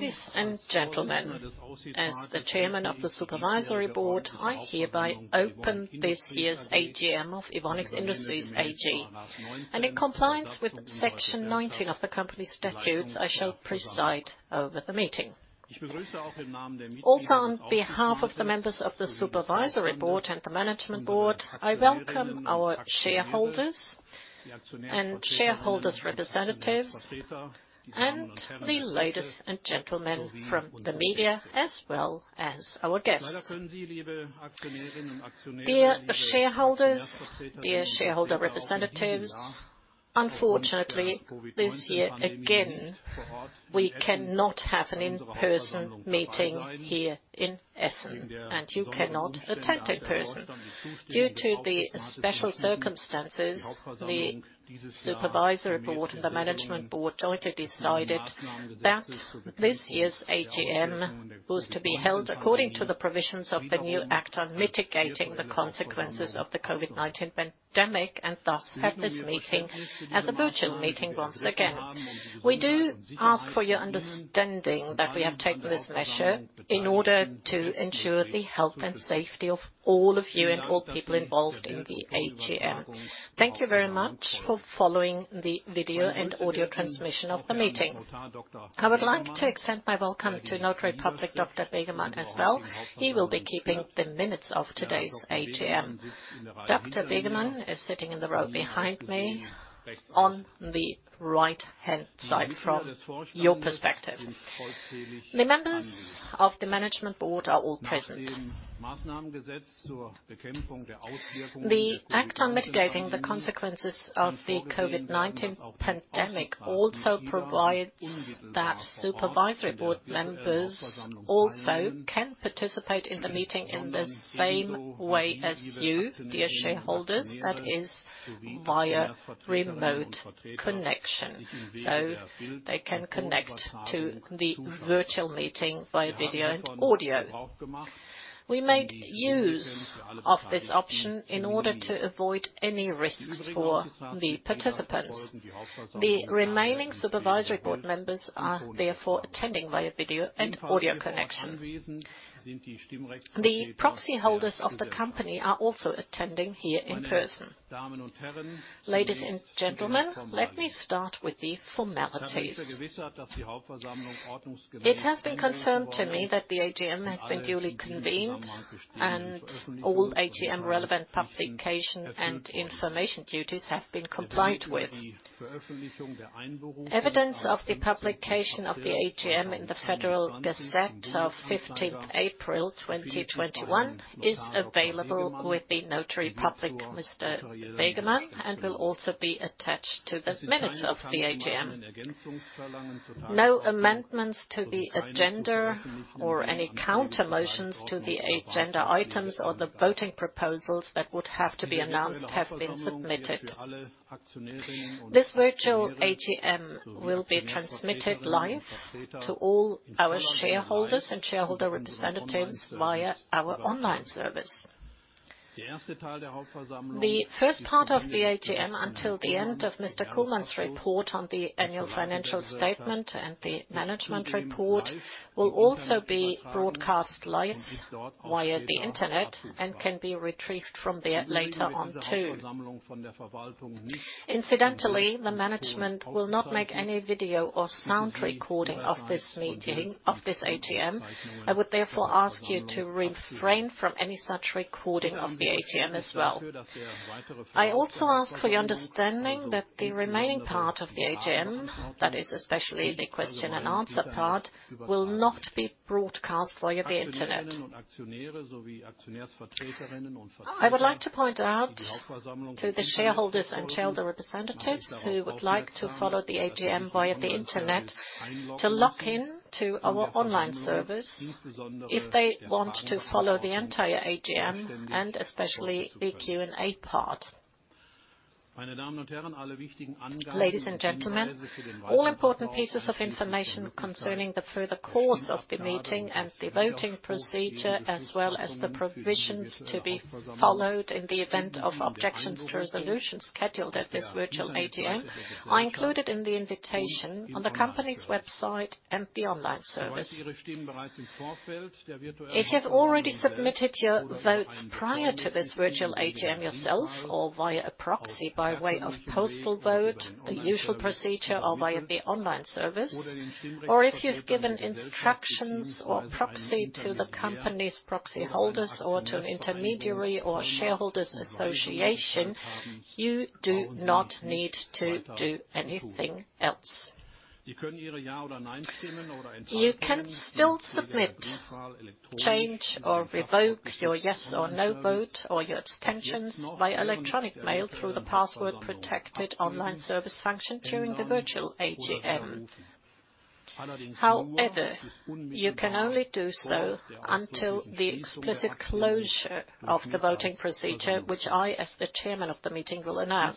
Ladies and gentlemen, as the chairman of the supervisory board, I hereby open this year's AGM of Evonik Industries AG, and in compliance with Section 19 of the company statutes, I shall preside over the meeting. On behalf of the members of the supervisory board and the management board, I welcome our shareholders and shareholders' representatives, and the ladies and gentlemen from the media, as well as our guests. Dear shareholders, dear shareholder representatives, unfortunately, this year again, we cannot have an in-person meeting here in Essen, and you cannot attend in person. Due to the special circumstances, the supervisory board and the management board jointly decided that this year's AGM was to be held according to the provisions of the new act on mitigating the consequences of the COVID-19 pandemic, and thus have this meeting as a virtual meeting once again. We do ask for your understanding that we have taken this measure in order to ensure the health and safety of all of you and all people involved in the AGM. Thank you very much for following the video and audio transmission of the meeting. I would like to extend my welcome to Notary Public Dr. Begemann as well. He will be keeping the minutes of today's AGM. Dr. Begemann is sitting in the row behind me on the right-hand side from your perspective. The members of the Management Board are all present. The act on mitigating the consequences of the COVID-19 pandemic also provides that Supervisory Board members also can participate in the meeting in the same way as you, dear shareholders, that is, via remote connection. They can connect to the virtual meeting by video and audio. We make use of this option in order to avoid any risks for the participants. The remaining supervisory board members are therefore attending via video and audio connection. The proxy holders of the company are also attending here in person. Ladies and gentlemen, let me start with the formalities. It has been confirmed to me that the AGM has been duly convened, and all AGM-relevant publication and information duties have been complied with. Evidence of the publication of the AGM in the Federal Gazette of 15th April 2021 is available with the Notary Public, Dr. Begemann, and will also be attached to the minutes of the AGM. No amendments to the agenda or any counter-motions to the agenda items or the voting proposals that would have to be announced have been submitted. This virtual AGM will be transmitted live to all our shareholders and shareholder representatives via our online service. The first part of the AGM, until the end of Mr. Kullmann's report on the annual financial statement and the management report, will also be broadcast live via the internet and can be retrieved from there later on, too. Incidentally, the management will not make any video or sound recording of this AGM. I would therefore ask you to refrain from any such recording of the AGM as well. I also ask for your understanding that the remaining part of the AGM, that is especially the question and answer part, will not be broadcast via the internet. I would like to point out to the shareholders and shareholder representatives who would like to follow the AGM via the internet to log in to our online service if they want to follow the entire AGM and especially the Q&A part. Ladies and gentlemen, all important pieces of information concerning the further course of the meeting and the voting procedure, as well as the provisions to be followed in the event of objections to resolutions scheduled at this virtual AGM are included in the invitation on the company's website and the online service. If you've already submitted your votes prior to this virtual AGM yourself or via a proxy by way of postal vote, the usual procedure or via the online service, or if you've given instructions or proxy to the company's proxy holders or to an intermediary or shareholders association, you do not need to do anything else. You can still submit, change, or revoke your yes or no vote, or your abstentions by electronic mail through the password-protected online service function during the virtual AGM. However, you can only do so until the explicit closure of the voting procedure, which I, as the chairman of the meeting, will announce.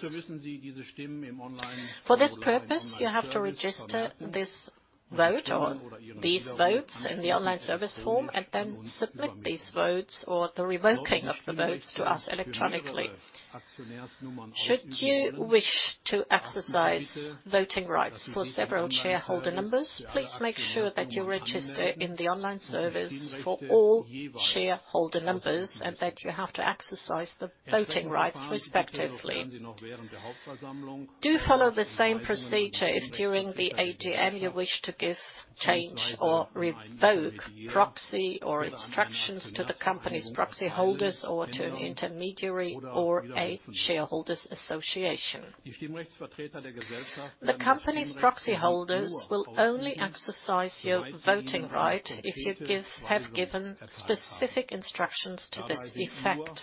For this purpose, you have to register this vote on these votes in the online service form, and then submit these votes or the revoking of the votes to us electronically. Should you wish to exercise voting rights for several shareholder numbers, please make sure that you register in the online service for all shareholder numbers, and that you have to exercise the voting rights respectively. Do follow the same procedure if during the AGM you wish to give, change or revoke proxy or instructions to the company's proxy holders or to an intermediary or a shareholders association. The company's proxy holders will only exercise your voting right if you have given specific instructions to this effect.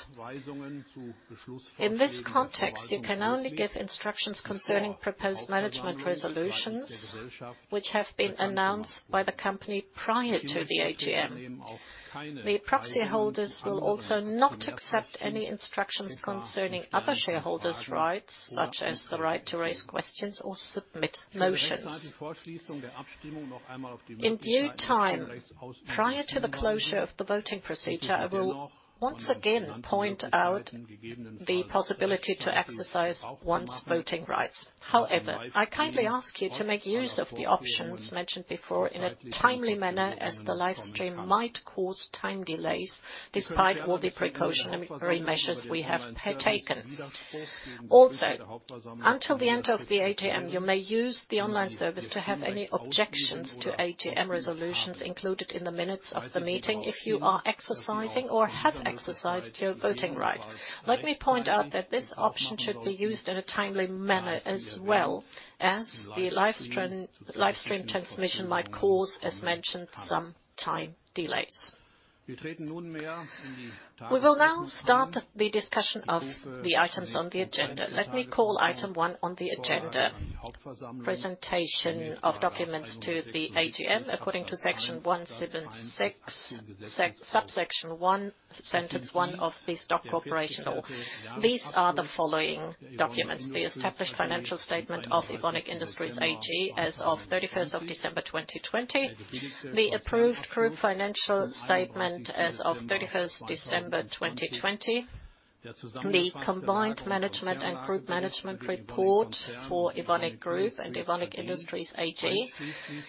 In this context, you can only give instructions concerning proposed management resolutions, which have been announced by the company prior to the AGM. The proxy holders will also not accept any instructions concerning other shareholders rights, such as the right to raise questions or submit motions. In due time, prior to the closure of the voting procedure, I will once again point out the possibility to exercise one's voting rights. However, I kindly ask you to make use of the options mentioned before in a timely manner, as the live stream might cause time delays despite all the precautionary measures we have partaken. Also, until the end of the AGM, you may use the online service to have any objections to AGM resolutions included in the minutes of the meeting if you are exercising or have exercised your voting right. Let me point out that this option should be used in a timely manner, as well, as the live stream transmission might cause, as mentioned, some time delays. We will now start the discussion of the items on the agenda. Let me call item one on the agenda, presentation of documents to the AGM, according to Section 176, subsection one, sentence one of the Stock Corporation Act. These are the following documents: the established financial statement of Evonik Industries AG as of 31st of December 2020, the approved group financial statement as of 31st December 2020, the combined management and group management report for Evonik Group and Evonik Industries AG,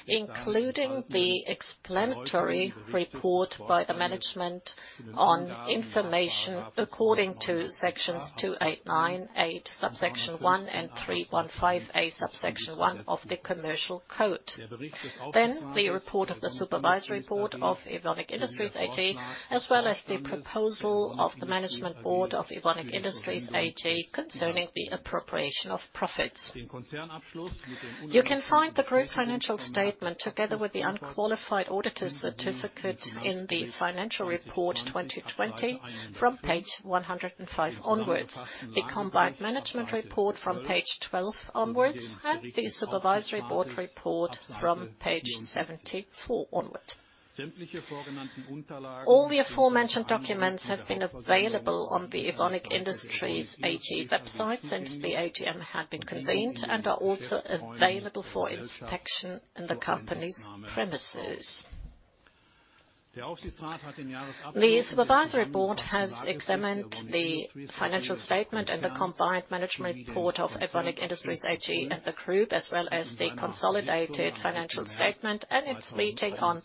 including the explanatory report by the management on information according to Sections 2898, subsection one, and 315-A, subsection one of the commercial code. The report of the supervisory board of Evonik Industries AG, as well as the proposal of the management board of Evonik Industries AG concerning the appropriation of profits. You can find the group financial statement together with the unqualified auditor's certificate in the financial report 2020 from page 105 onwards, the combined management report from page 12 onwards, and the supervisory board report from page 74 onward. All the aforementioned documents have been available on the Evonik Industries AG website since the AGM had been convened, and are also available for inspection in the company's premises. The supervisory board has examined the financial statement and the combined management report of Evonik Industries AG and the group, as well as the consolidated financial statement, and its meeting on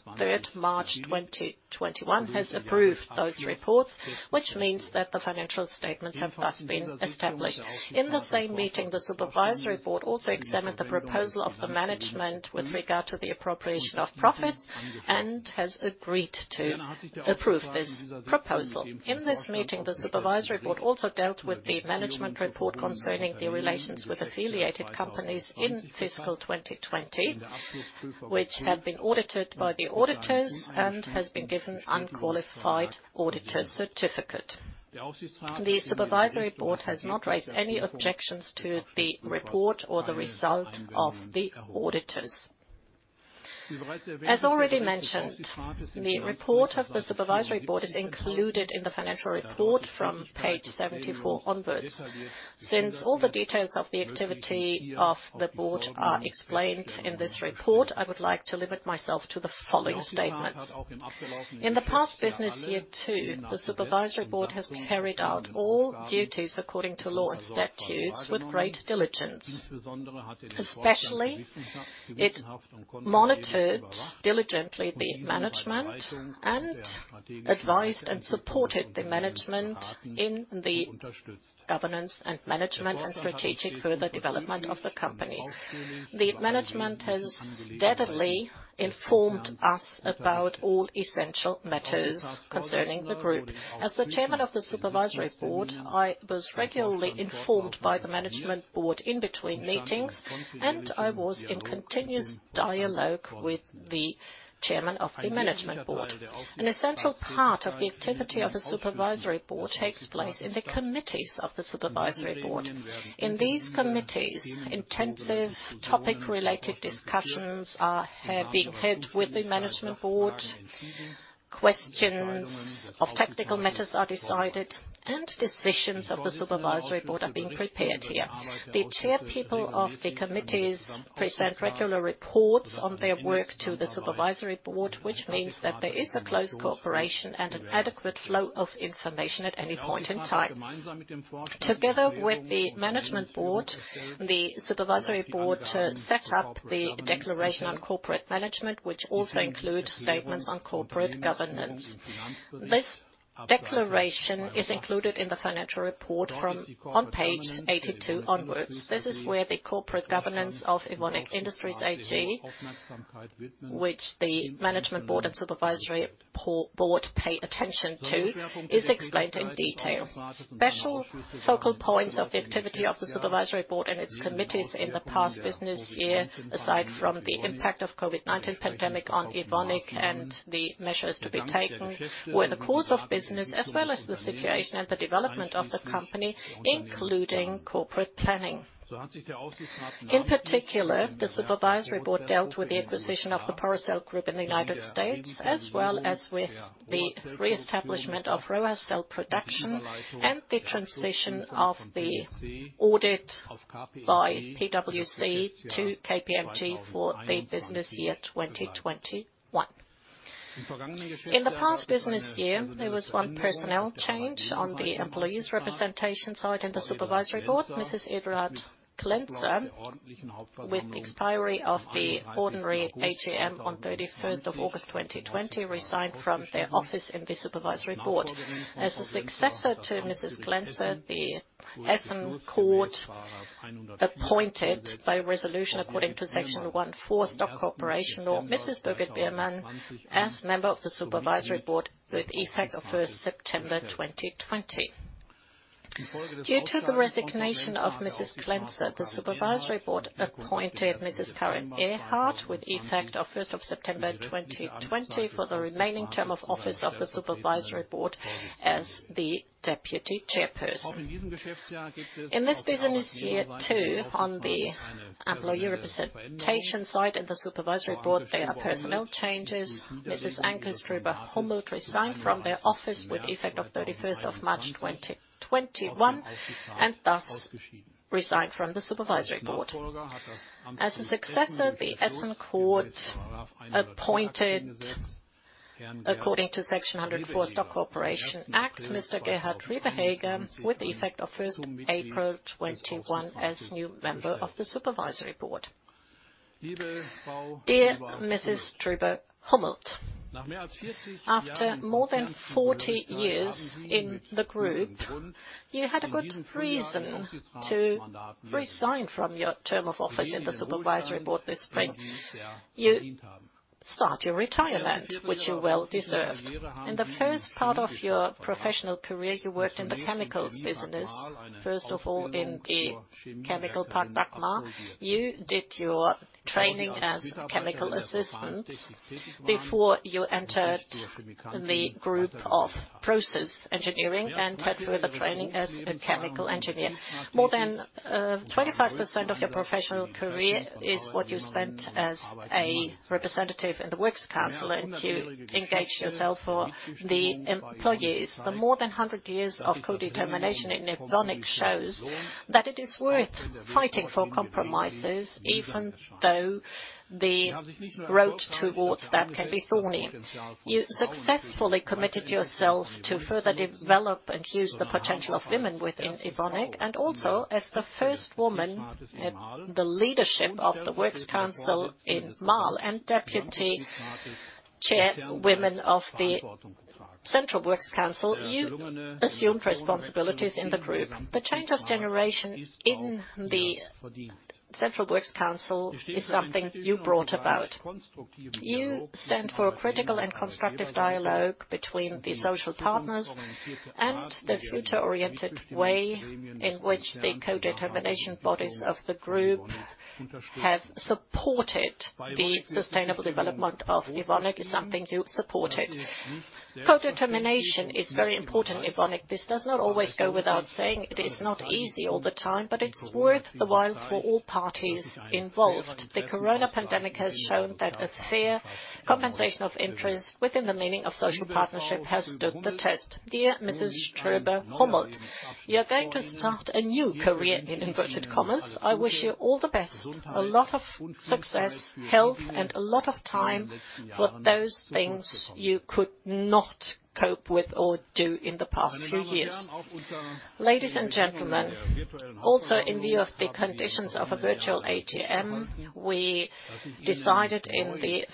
March 3, 2021 has approved those reports, which means that the financial statements have thus been established. In the same meeting, the supervisory board also examined the proposal of the management with regard to the appropriation of profits and has agreed to approve this proposal. In this meeting, the supervisory board also dealt with the management report concerning the relations with affiliated companies in fiscal 2020, which have been audited by the auditors and has been given unqualified auditor's certificate. The supervisory board has not raised any objections to the report or the result of the auditors. As already mentioned, the report of the supervisory board is included in the financial report from page 74 onwards. Since all the details of the activity of the board are explained in this report, I would like to limit myself to the following statements. In the past business year, too, the supervisory board has carried out all duties according to law and statutes with great diligence. Especially, it monitored diligently the management and advised and supported the management in the governance and management and strategic further development of the company. The management has steadily informed us about all essential matters concerning the group. As the Chairman of the Supervisory Board, I was regularly informed by the Management Board in between meetings, and I was in continuous dialogue with the Chairman of the Management Board. An essential part of the activity of the Supervisory Board takes place in the committees of the Supervisory Board. In these committees, intensive topic-related discussions are being held with the Management Board. Questions of technical matters are decided, and decisions of the Supervisory Board are being prepared here. The chairpeople of the committees present regular reports on their work to the Supervisory Board, which means that there is a close cooperation and an adequate flow of information at any point in time. Together with the Management Board, the Supervisory Board set up the Declaration on Corporate Management, which also include statements on corporate governance. This Declaration is included in the Financial Report on page 82 onwards. This is where the corporate governance of Evonik Industries AG, which the Management Board and Supervisory Board pay attention to, is explained in detail. Special focal points of the activity of the Supervisory Board and its committees in the past business year, aside from the impact of COVID-19 pandemic on Evonik and the measures to be taken, were the course of business, as well as the situation and the development of the company, including corporate planning. In particular, the Supervisory Board dealt with the acquisition of the Porocel group in the U.S., as well as with the reestablishment of ROHACELL production and the transition of the audit by PwC to KPMG for the business year 2021. In the past business year, there was one personnel change on the employees' representation side and the Supervisory Board, Mrs. Edeltraud Glänzer, with expiry of the ordinary AGM on August 31, 2020, resigned from their office in the Supervisory Board. As a successor to Mrs. Glänzer, the Essen District Court, appointed by resolution according to Section 104, Stock Corporation Act, Mrs. Birgit Biermann as Member of the Supervisory Board with effect of September 1, 2020. Due to the resignation of Mrs. Glänzer, the Supervisory Board appointed Mrs. Karin Erhard with effect of September 1, 2020 for the remaining term of office of the Supervisory Board as the Deputy Chairwoman. In this business year, too, on the employee representation side and the Supervisory Board, there are personnel changes. Mrs. Anke Strüber-Hummelt resigned from their office with effect of March 31, 2021, and thus resigned from the Supervisory Board. As a successor, the Essen District Court appointed, according to Section 104, Stock Corporation Act, Mr. Gerhard Ribbeheger with effect of April 1, 2021 as new member of the Supervisory Board. Dear Mrs. Strüber-Hummelt, after more than 40 years in the group, you had a good reason to resign from your term of office in the Supervisory Board this spring. You start your retirement, which you well deserved. In the first part of your professional career, you worked in the chemicals business, first of all, in the Marl Chemical Park. You did your training as chemical assistant before you entered the group of process engineering and had further training as a chemical engineer. More than 25% of your professional career is what you spent as a representative in the Works Council, and you engaged yourself for the employees. The more than 100 years of codetermination in Evonik shows that it is worth fighting for compromises, even though the road towards that can be thorny. You successfully committed yourself to further develop and use the potential of women within Evonik, and also as the first woman in the leadership of the Works Council in Marl and Deputy Chairwoman of the Central Works Council. You assumed responsibilities in the group. The change of generation in the Central Works Council is something you brought about. You stand for a critical and constructive dialogue between the social partners and the future-oriented way in which the codetermination bodies of the group have supported the sustainable development of Evonik is something you supported. Codetermination is very important in Evonik. This does not always go without saying. It is not easy all the time, but it's worth the while for all parties involved. The Corona pandemic has shown that a fair compensation of interest within the meaning of social partnership has stood the test. Dear Mrs. Strüber-Hummelt, you're going to start a new career in inverted commas. I wish you all the best, a lot of success, health, and a lot of time for those things you could not cope with or do in the past few years. Ladies and gentlemen, also in view of the conditions of a virtual AGM, we decided in the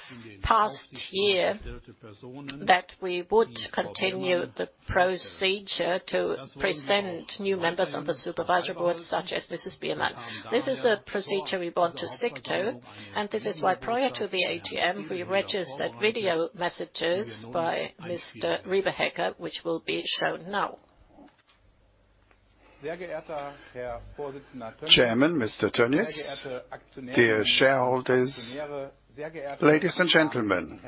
past year that we would continue the procedure to present new members of the Supervisory Board, such as Mrs. Biermann. This is a procedure we want to stick to, and this is why prior to the AGM, we registered video messages by Mr. Ribbeheger, which will be shown now. Chairman, Mr. Tönjes, dear shareholders, ladies and gentlemen.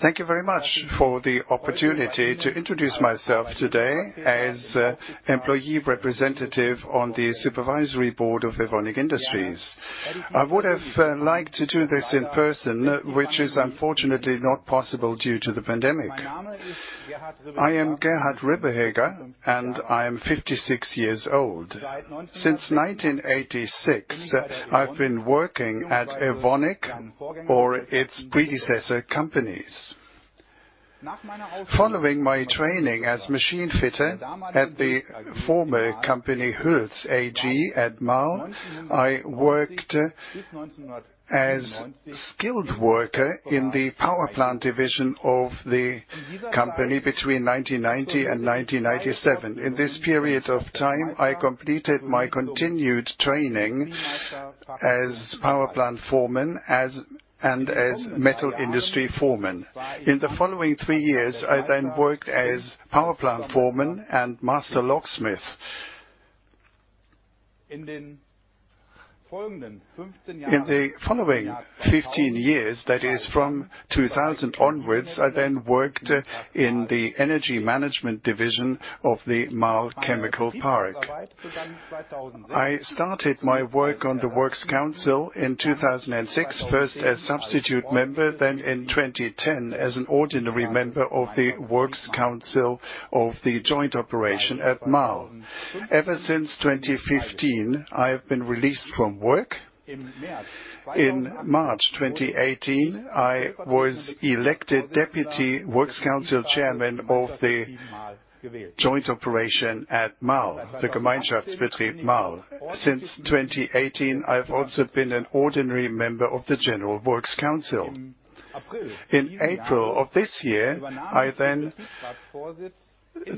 Thank you very much for the opportunity to introduce myself today as employee representative on the supervisory board of Evonik Industries. I would have liked to do this in person, which is unfortunately not possible due to the pandemic. I am Gerhard Ribberheger, and I am 56 years old. Since 1986, I've been working at Evonik or its predecessor companies. Following my training as a machine fitter at the former company Hüls AG at Marl, I worked as a skilled worker in the power plant division of the company between 1990 and 1997. In this period of time, I completed my continued training as a power plant foreman and as a metal industry foreman. In the following three years, I worked as a power plant foreman and master locksmith. In the following 15 years, that is from 2000 onwards, I worked in the energy management division of the Marl Chemical Park. I started my work on the works council in 2006, first as a substitute member, then in 2010 as an ordinary member of the works council of the Gemeinschaftsbetrieb Marl. Ever since 2015, I have been released from work. In March 2018, I was elected deputy works council chairman of the Gemeinschaftsbetrieb Marl. Since 2018, I have also been an ordinary member of the general works council. In April of this year, I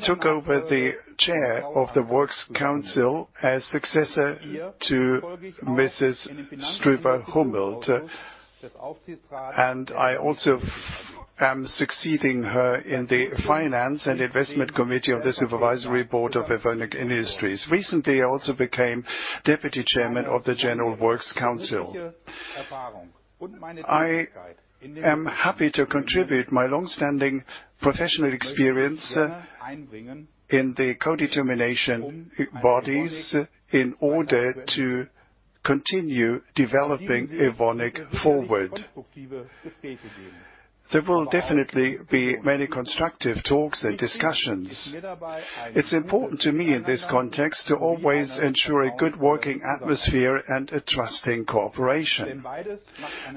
took over the chair of the works council as successor to Anke Strüber-Hummelt, I also am succeeding her in the finance and investment committee of the supervisory board of Evonik Industries. Recently, I also became deputy chairman of the general works council. I am happy to contribute my long-standing professional experience in the co-determination bodies in order to continue developing Evonik forward. There will definitely be many constructive talks and discussions. It is important to me in this context to always ensure a good working atmosphere and a trusting cooperation,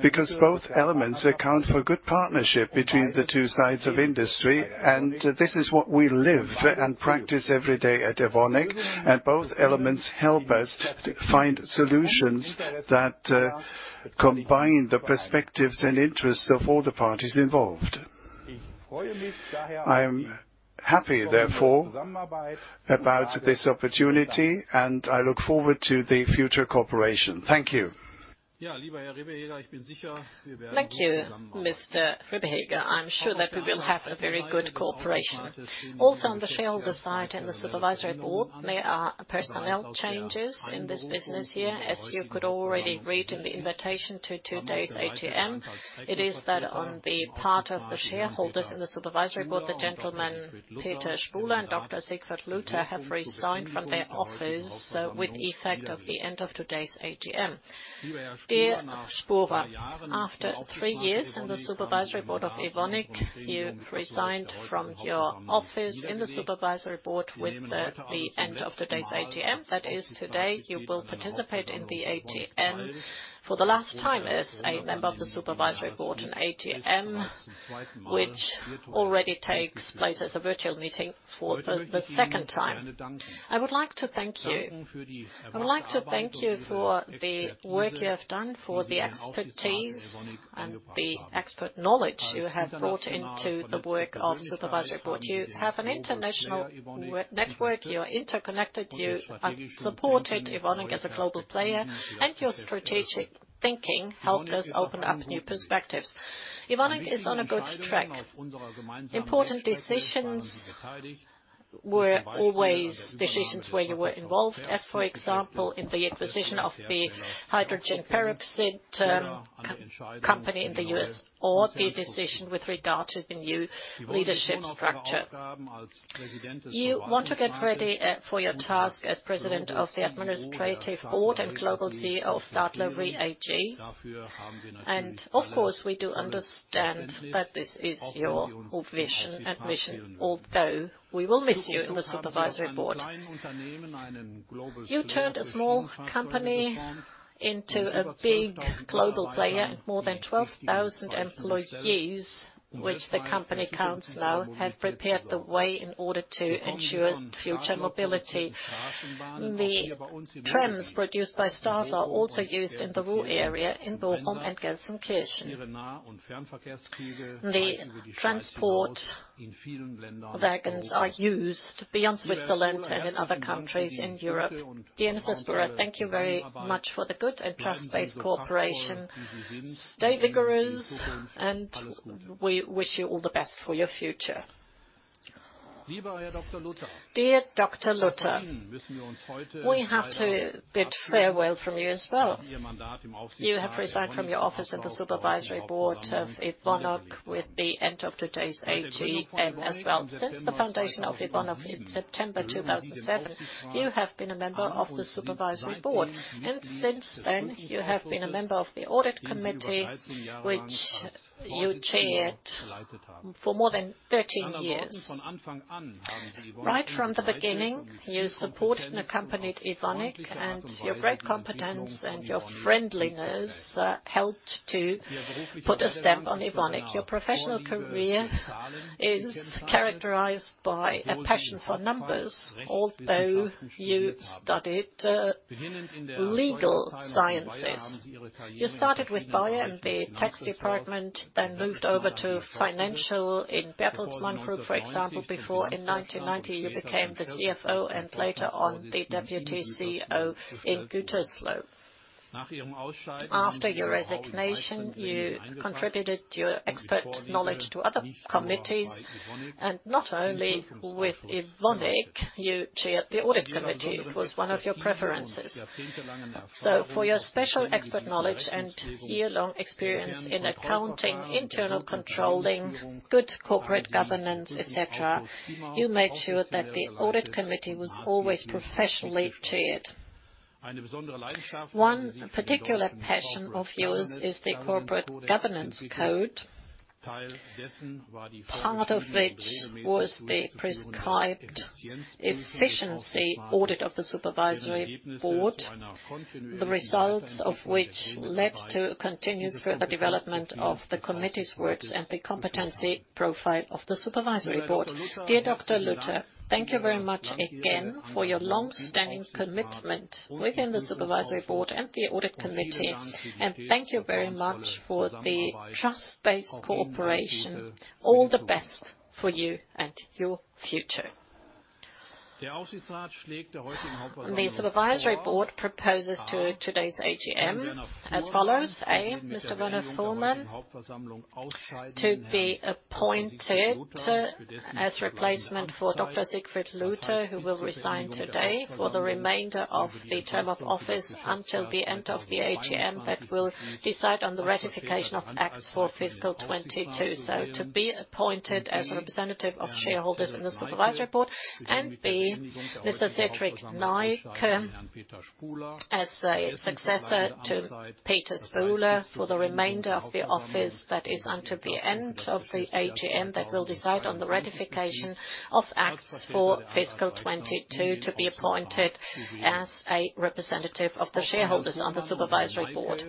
because both elements account for a good partnership between the two sides of industry, and this is what we live and practice every day at Evonik. Both elements help us find solutions that combine the perspectives and interests of all the parties involved. I am happy, therefore, about this opportunity, and I look forward to the future cooperation. Thank you. Thank you, Mr. Gerhard Ribbeheger. I'm sure that we will have a very good cooperation. Also, on the shareholder side and the supervisory board, there are personnel changes in this business year, as you could already read in the invitation to today's AGM. It is that on the part of the shareholders in the supervisory board, the gentlemen Peter Spuhler and Dr. Siegfried Luther have resigned from their office with effect of the end of today's AGM. Dear Spuhler, after three years in the supervisory board of Evonik, you resigned from your office in the supervisory board with the end of today's AGM. That is, today you will participate in the AGM for the last time as a member of the supervisory board, an AGM which already takes place as a virtual meeting for the second time. I would like to thank you. I would like to thank you for the work you have done, for the expertise and the expert knowledge you have brought into the work of the supervisory board. You have an international network. You are interconnected. You supported Evonik as a global player, and your strategic thinking helped us open up new perspectives. Evonik is on a good track. Important decisions were always decisions where you were involved, as, for example, in the position of PeroxyChem or the decision with regard to the new leadership structure. You want to get ready for your task as president of the administrative board and global CEO of Stadler Rail AG, and of course, we do understand that this is your ambition. Although we will miss you in the supervisory board. You turned a small company into a big global player. More than 12,000 employee years, which the company counts now, have prepared the way in order to ensure future mobility. The trains produced by Stadler are also used in the Ruhr area in Bochum and Gelsenkirchen. The transport wagons are used beyond Switzerland and in other countries in Europe. Dear Mr. Spuhler, thank you very much for the good and trust-based cooperation. Stay vigorous, and we wish you all the best for your future. Dear Dr. Luther, we have to bid farewell from you as well. You have resigned from your office of the supervisory board of Evonik with the end of today's AG as well. Since the foundation of Evonik in September 2007, you have been a member of the supervisory board, and since then, you have been a member of the audit committee, which you chaired for more than 13 years. Right from the beginning, you supported and accompanied Evonik, and your great competence and your friendliness helped to put a stamp on Evonik. Your professional career is characterized by a passion for numbers, although you studied legal sciences. You started with Bayer in the tax department, then moved over to financial in Beiersdorf Group, for example, before in 1990 you became the CFO and later on the DWT CEO in Gütersloh. After your resignation, you contributed your expert knowledge to other committees, and not only with Evonik, you chaired the audit committee. It was one of your preferences. For your special expert knowledge and year-long experience in accounting, internal controlling, good corporate governance, et cetera, you made sure that the audit committee was always professionally chaired. One particular passion of yours is the corporate governance code, part of which was the prescribed efficiency audit of the supervisory board, the results of which led to continuous further development of the committee's works and the competency profile of the supervisory board. Dear Dr. Luther, thank you very much again for your longstanding commitment within the supervisory board and the audit committee, and thank you very much for the trust-based cooperation. All the best for you and your future. The supervisory board proposes to today's AGM as follows, A, Mr. Werner Fuhrmann to be appointed as replacement for Dr. Siegfried Luther, who will resign today for the remainder of the term of office until the end of the AGM that will decide on the ratification of acts for fiscal 2022. To be appointed as a representative of shareholders in the supervisory board and, B, Mr. Cedrik Neike as a successor to Peter Spuhler for the remainder of the office, that is until the end of the AGM that will decide on the ratification of acts for fiscal 2022 to be appointed as a representative of the shareholders on the supervisory board.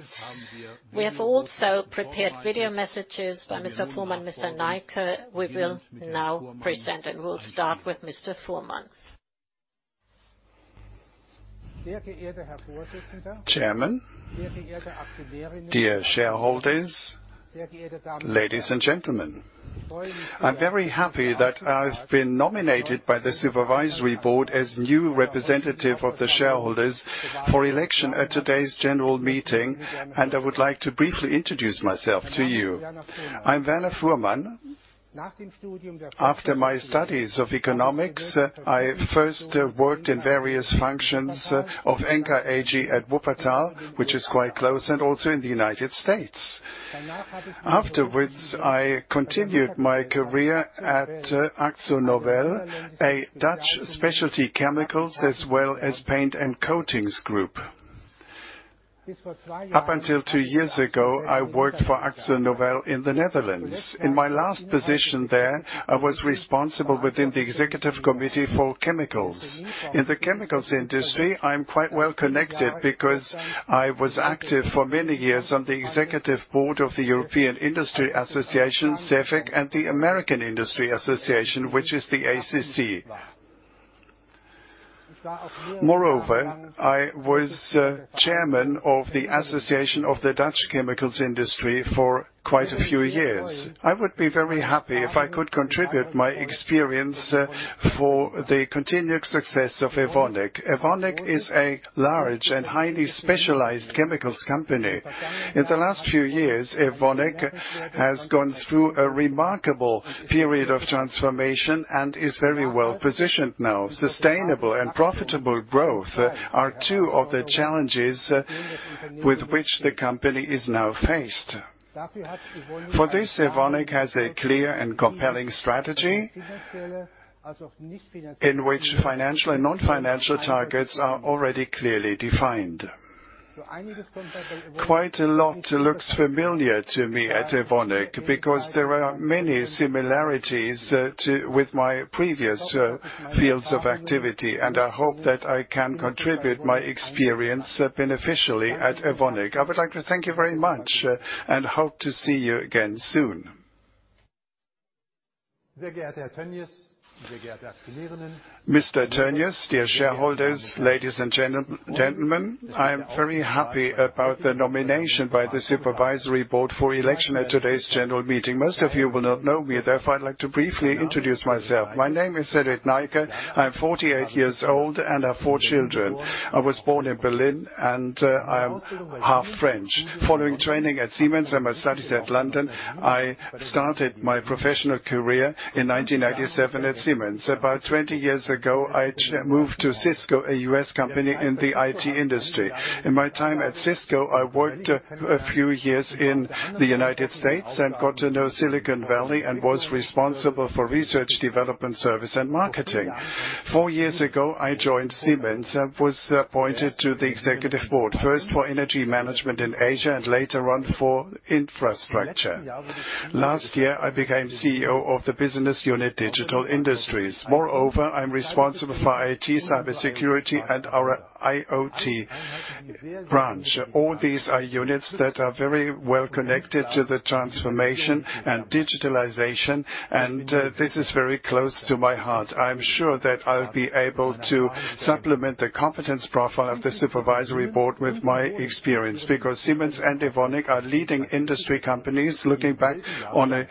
We have also prepared video messages by Mr. Fuhrmann and Mr. Cedrik Neike we will now present, and we'll start with Mr. Fuhrmann. Chairman, dear shareholders, ladies and gentlemen. I'm very happy that I've been nominated by the supervisory board as new representative of the shareholders for election at today's general meeting. I would like to briefly introduce myself to you. I'm Werner Fuhrmann. After my studies of economics, I first worked in various functions of Evonik AG at Wuppertal, which is quite close, and also in the U.S. Afterwards, I continued my career at AkzoNobel, a Dutch specialty chemicals as well as paint and coatings group. Up until two years ago, I worked for AkzoNobel in the Netherlands. In my last position there, I was responsible within the executive committee for chemicals. In the chemicals industry, I'm quite well-connected because I was active for many years on the executive board of the European Industry Association, CEFIC, and the American Industry Association, which is the ACC. Moreover, I was chairman of the Association of the Dutch Chemicals Industry for quite a few years. I would be very happy if I could contribute my experience for the continued success of Evonik. Evonik is a large and highly specialized chemicals company. In the last few years, Evonik has gone through a remarkable period of transformation and is very well-positioned now. Sustainable and profitable growth are two of the challenges with which the company is now faced. For this, Evonik has a clear and compelling strategy in which financial and non-financial targets are already clearly defined. Quite a lot looks familiar to me at Evonik because there are many similarities with my previous fields of activity, and I hope that I can contribute my experience beneficially at Evonik. I would like to thank you very much and hope to see you again soon. Dear Tönjes, dear shareholders, ladies and gentlemen. I am very happy about the nomination by the Supervisory Board for election at today's general meeting. Most of you will not know me, therefore, I'd like to briefly introduce myself. My name is Cedrik Neike. I'm 48 years old and have four children. I was born in Berlin and I am half French. Following training at Siemens and my studies at London, I started my professional career in 1997 at Siemens. About 20 years ago, I moved to Cisco, a U.S. company in the IT industry. In my time at Cisco, I worked a few years in the United States and got to know Silicon Valley and was responsible for research, development, service, and marketing. Four years ago, I joined Siemens and was appointed to the Executive Board, first for energy management in Asia and later on for infrastructure. Last year, I became CEO of the business unit Digital Industries. Moreover, I'm responsible for IT, cybersecurity, and our IoT branch. All these are units that are very well connected to the transformation and digitalization, and this is very close to my heart. I'm sure that I'll be able to supplement the competence profile of the supervisory board with my experience, because Siemens and Evonik are leading industry companies looking back on a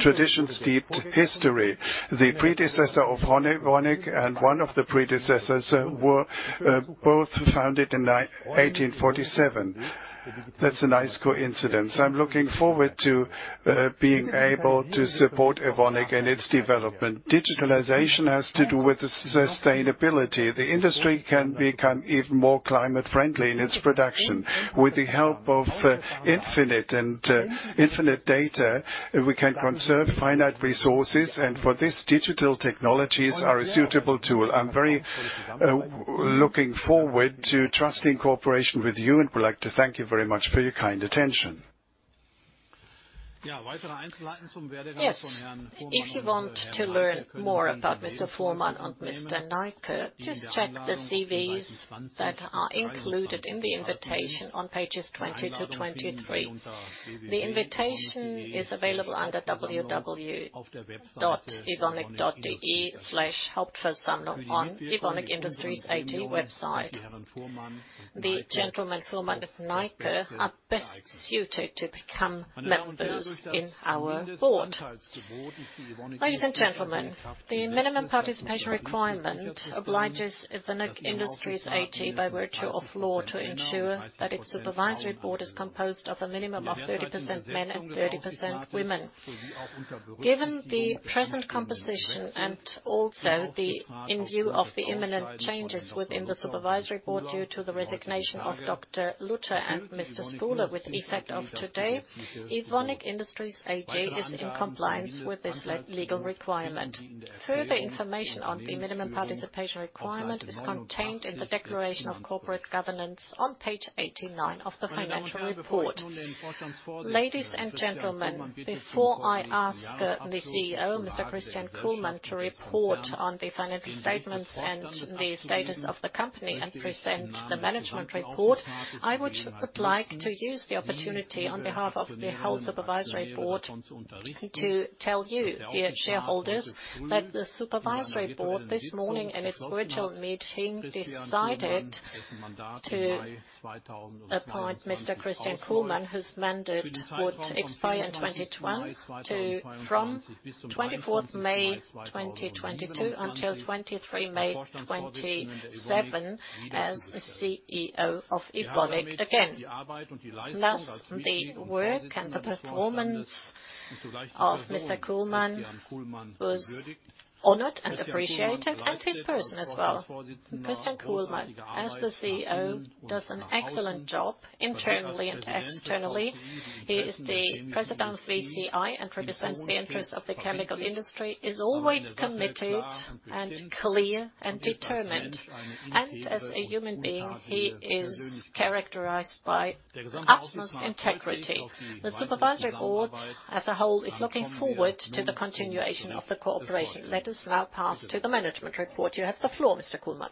tradition-steeped history. The predecessor of Evonik and one of the predecessors were both founded in 1847. That's a nice coincidence. I'm looking forward to being able to support Evonik in its development. Digitalization has to do with sustainability. The industry can become even more climate friendly in its production. With the help of infinite data, we can conserve finite resources, and for this digital technologies are a suitable tool. I'm very looking forward to trusting cooperation with you and would like to thank you very much for your kind attention. Yes. If you want to learn more about Werner Fuhrmann and Cedrik Neike, please check the CVs that are included in the invitation on pages 20 to 23. The invitation is available under www.evonik.de/hauptversammlung on Evonik Industries AG website. The gentlemen Werner Fuhrmann and Cedrik Neike are best suited to become members in our board. Ladies and gentlemen, the minimum participation requirement obliges Evonik Industries AG by virtue of law to ensure that its supervisory board is composed of a minimum of 30% men and 30% women. Given the present composition and also in view of the imminent changes within the supervisory board due to the resignation of Siegfried Luther and Peter Spuhler with effect of today, Evonik Industries AG is in compliance with this legal requirement. Further information on the minimum participation requirement is contained in the declaration of corporate governance on page 89 of the financial report. Ladies and gentlemen, before I ask the CEO, Mr. Christian Kullmann, to report on the financial statements and the status of the company and present the management report, I would like to use the opportunity on behalf of the whole Supervisory Board to tell you, dear shareholders, that the Supervisory Board this morning in its virtual meeting decided to appoint Mr. Christian Kullmann, whose mandate would expire from May 24, 2022 until May 23, 2027 as CEO of Evonik again. Thus, the work and the performance of Mr. Kullmann was honored and appreciated and his person as well. Christian Kullmann, as the CEO, does an excellent job internally and externally. He is the President of VCI and represents the interest of the chemical industry, is always committed and clear and determined, and as a human being, he is characterized by utmost integrity. The supervisory board as a whole is looking forward to the continuation of the cooperation. Let us now pass to the management report. You have the floor, Mr. Kullmann.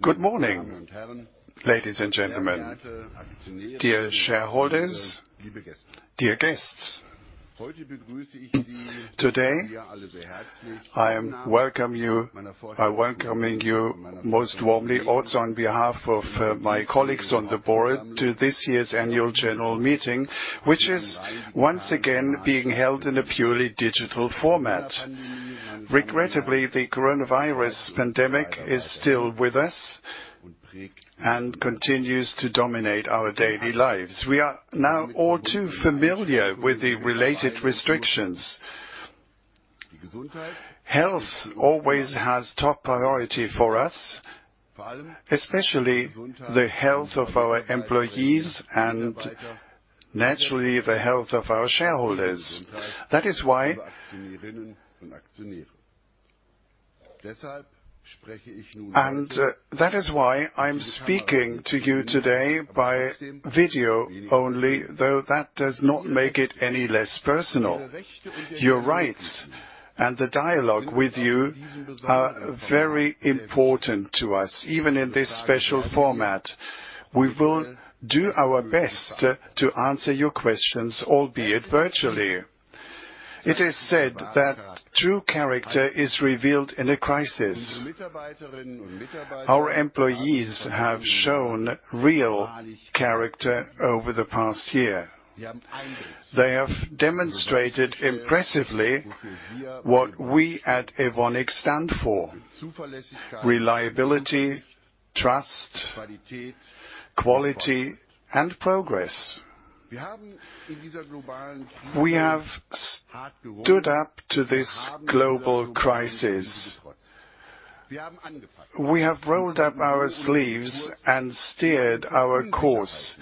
Good morning, ladies and gentlemen, dear shareholders, dear guests. Today, I welcome you most warmly, also on behalf of my colleagues on the board to this year's annual general meeting, which is once again being held in a purely digital format. Regrettably, the coronavirus pandemic is still with us and continues to dominate our daily lives. We are now all too familiar with the related restrictions. Health always has top priority for us, especially the health of our employees and naturally the health of our shareholders. That is why I'm speaking to you today by video only, though that does not make it any less personal. Your rights and the dialogue with you are very important to us, even in this special format. We will do our best to answer your questions, albeit virtually. It is said that true character is revealed in a crisis. Our employees have shown real character over the past year. They have demonstrated impressively what we at Evonik stand for: reliability, trust, quality, and progress. We have stood up to this global crisis. We have rolled up our sleeves and steered our course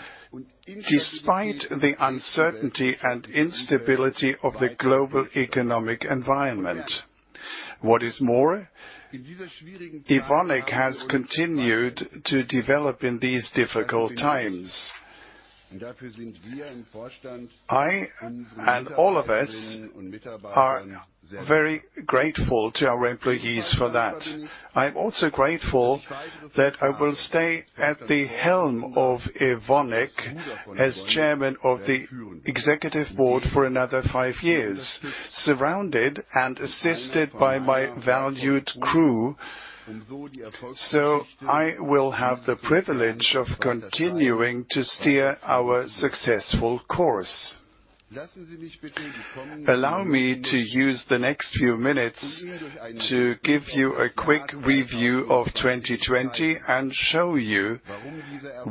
despite the uncertainty and instability of the global economic environment. What is more, Evonik has continued to develop in these difficult times. I and all of us are very grateful to our employees for that. I'm also grateful that I will stay at the helm of Evonik as chairman of the executive board for another five years, surrounded and assisted by my valued crew. I will have the privilege of continuing to steer our successful course. Allow me to use the next few minutes to give you a quick review of 2020 and show you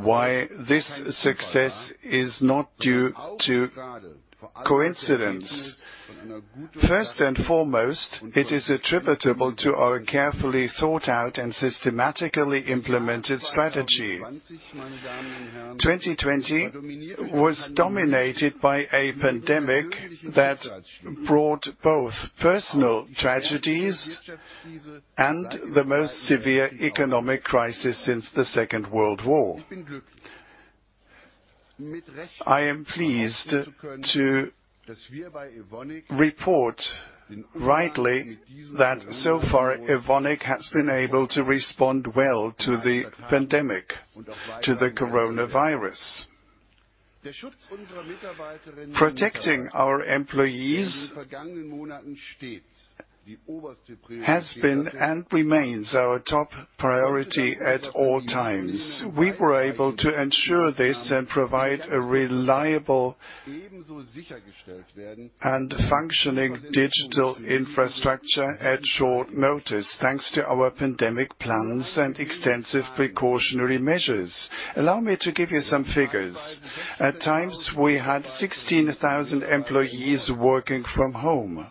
why this success is not due to coincidence. First and foremost, it is attributable to our carefully thought-out and systematically implemented strategy. 2020 was dominated by a pandemic that brought both personal tragedies and the most severe economic crisis since the Second World War. I am pleased to report, rightly, that so far Evonik has been able to respond well to the pandemic, to the coronavirus. Protecting our employees has been and remains our top priority at all times. We were able to ensure this and provide a reliable and functioning digital infrastructure at short notice, thanks to our pandemic plans and extensive precautionary measures. Allow me to give you some figures. At times, we had 16,000 employees working from home.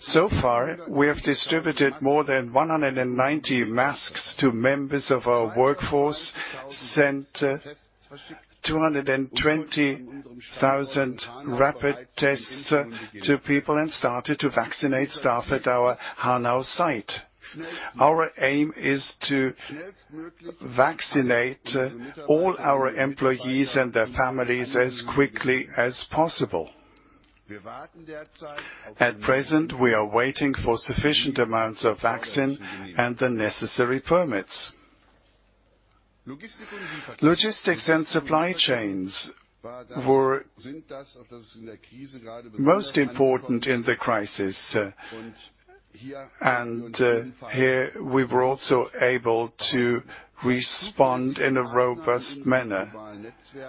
So far, we have distributed more than 190 masks to members of our workforce, sent 220,000 rapid tests to people, and started to vaccinate staff at our Hanau site. Our aim is to vaccinate all our employees and their families as quickly as possible. At present, we are waiting for sufficient amounts of vaccine and the necessary permits. Logistics and supply chains were most important in the crisis, and here we were also able to respond in a robust manner.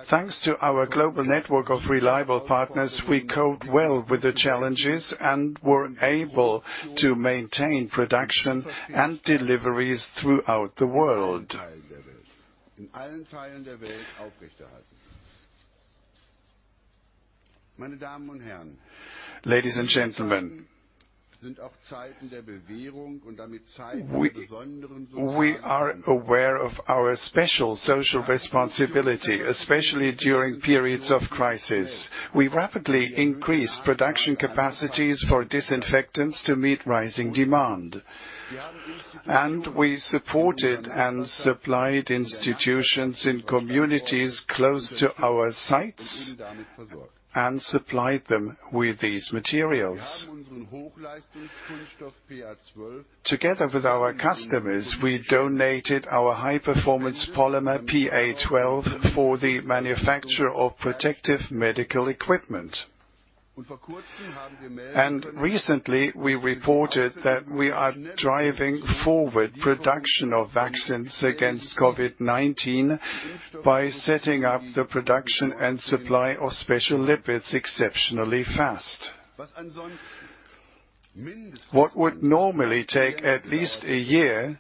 Thanks to our global network of reliable partners, we coped well with the challenges and were able to maintain production and deliveries throughout the world. Ladies and gentlemen, we are aware of our special social responsibility, especially during periods of crisis. We rapidly increased production capacities for disinfectants to meet rising demand, and we supported and supplied institutions in communities close to our sites, and supplied them with these materials. Together with our customers, we donated our high-performance polymer PA12 for the manufacture of protective medical equipment. Recently we reported that we are driving forward production of vaccines against COVID-19 by setting up the production and supply of special lipids exceptionally fast. What would normally take at least a year,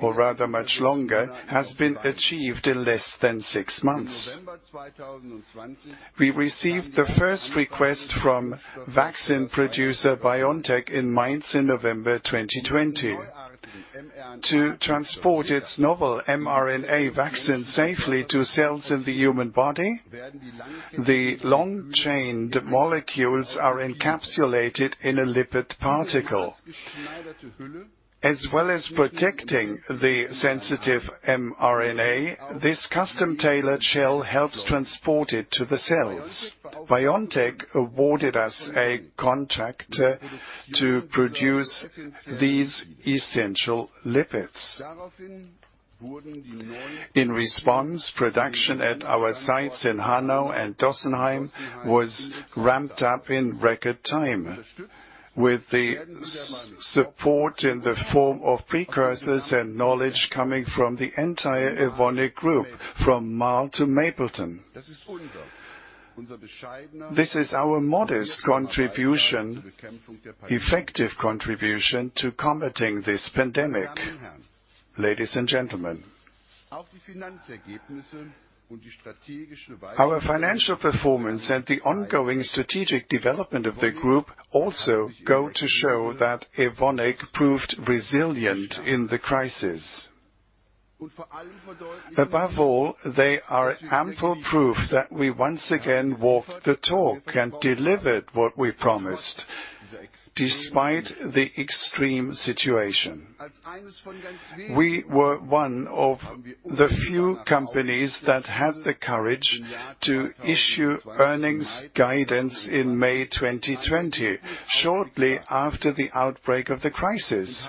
or rather much longer, has been achieved in less than six months. We received the first request from vaccine producer BioNTech in Mainz in November 2020. To transport its novel mRNA vaccine safely to cells in the human body. The long-chained molecules are encapsulated in a lipid particle. As well as protecting the sensitive mRNA, this custom-tailored shell helps transport it to the cells. BioNTech awarded us a contract to produce these essential lipids. In response, production at our sites in Hanau and Dossenheim was ramped up in record time, with the support in the form of precursors and knowledge coming from the entire Evonik Group, from Marl to Mapleton. This is our modest contribution, effective contribution, to combating this pandemic. Ladies and gentlemen. Our financial performance and the ongoing strategic development of the group also go to show that Evonik proved resilient in the crisis. Above all, they are ample proof that we once again walked the talk and delivered what we promised, despite the extreme situation. We were one of the few companies that had the courage to issue earnings guidance in May 2020, shortly after the outbreak of the crisis.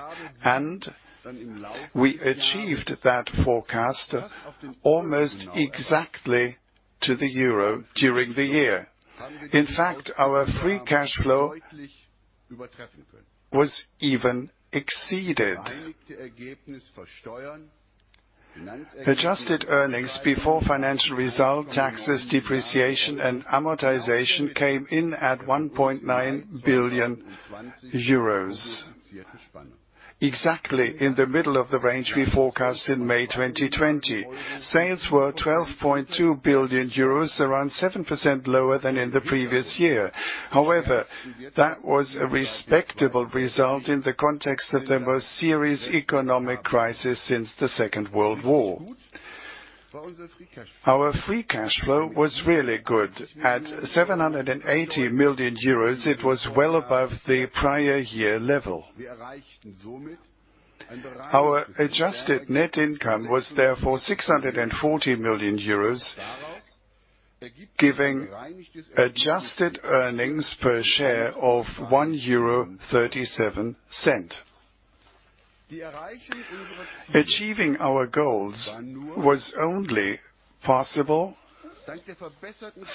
We achieved that forecast almost exactly to the euro during the year. In fact, our free cash flow was even exceeded. Adjusted earnings before financial result, taxes, depreciation, and amortization came in at 1.9 billion euros. Exactly in the middle of the range we forecast in May 2020. Sales were 12.2 billion euros, around 7% lower than in the previous year. That was a respectable result in the context of the most serious economic crisis since the Second World War. Our free cash flow was really good. At 780 million euros, it was well above the prior year level. Our adjusted net income was therefore 640 million euros, giving adjusted earnings per share of 1.37 euro. Achieving our goals was only possible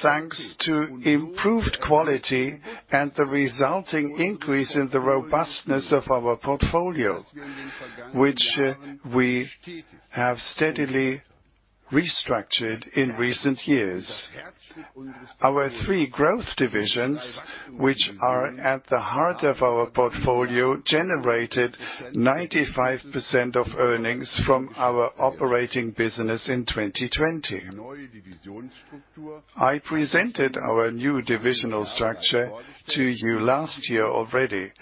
thanks to improved quality and the resulting increase in the robustness of our portfolio, which we have steadily restructured in recent years. Our three growth divisions, which are at the heart of our portfolio, generated 95% of earnings from our operating business in 2020. I presented our new divisional structure to you last year already.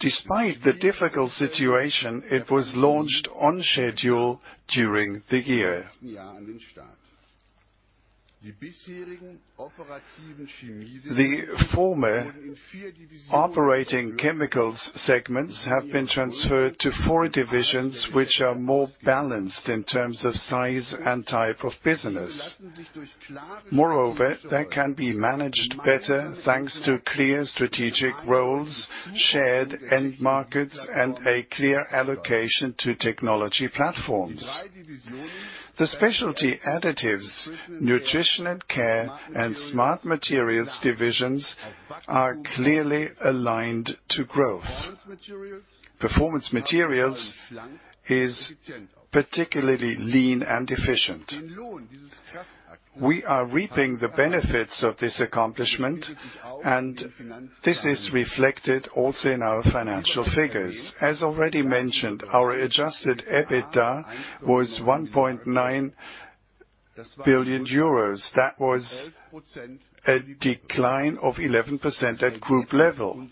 Despite the difficult situation, it was launched on schedule during the year. The former operating chemicals segments have been transferred to four divisions, which are more balanced in terms of size and type of business. They can be managed better thanks to clear strategic roles, shared end markets, and a clear allocation to technology platforms. The Specialty Additives, Nutrition & Care, and Smart Materials divisions are clearly aligned to growth. Performance Materials is particularly lean and efficient. We are reaping the benefits of this accomplishment, and this is reflected also in our financial figures. As already mentioned, our adjusted EBITDA was 1.9 billion euros. That was a decline of 11% at group level.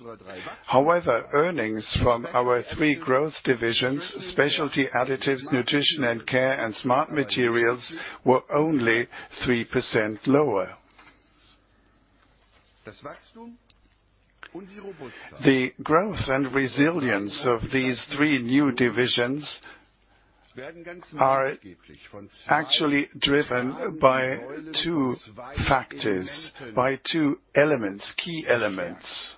Earnings from our three growth divisions, Specialty Additives, Nutrition & Care, and Smart Materials, were only 3% lower. The growth and resilience of these three new divisions are actually driven by two factors, by two key elements.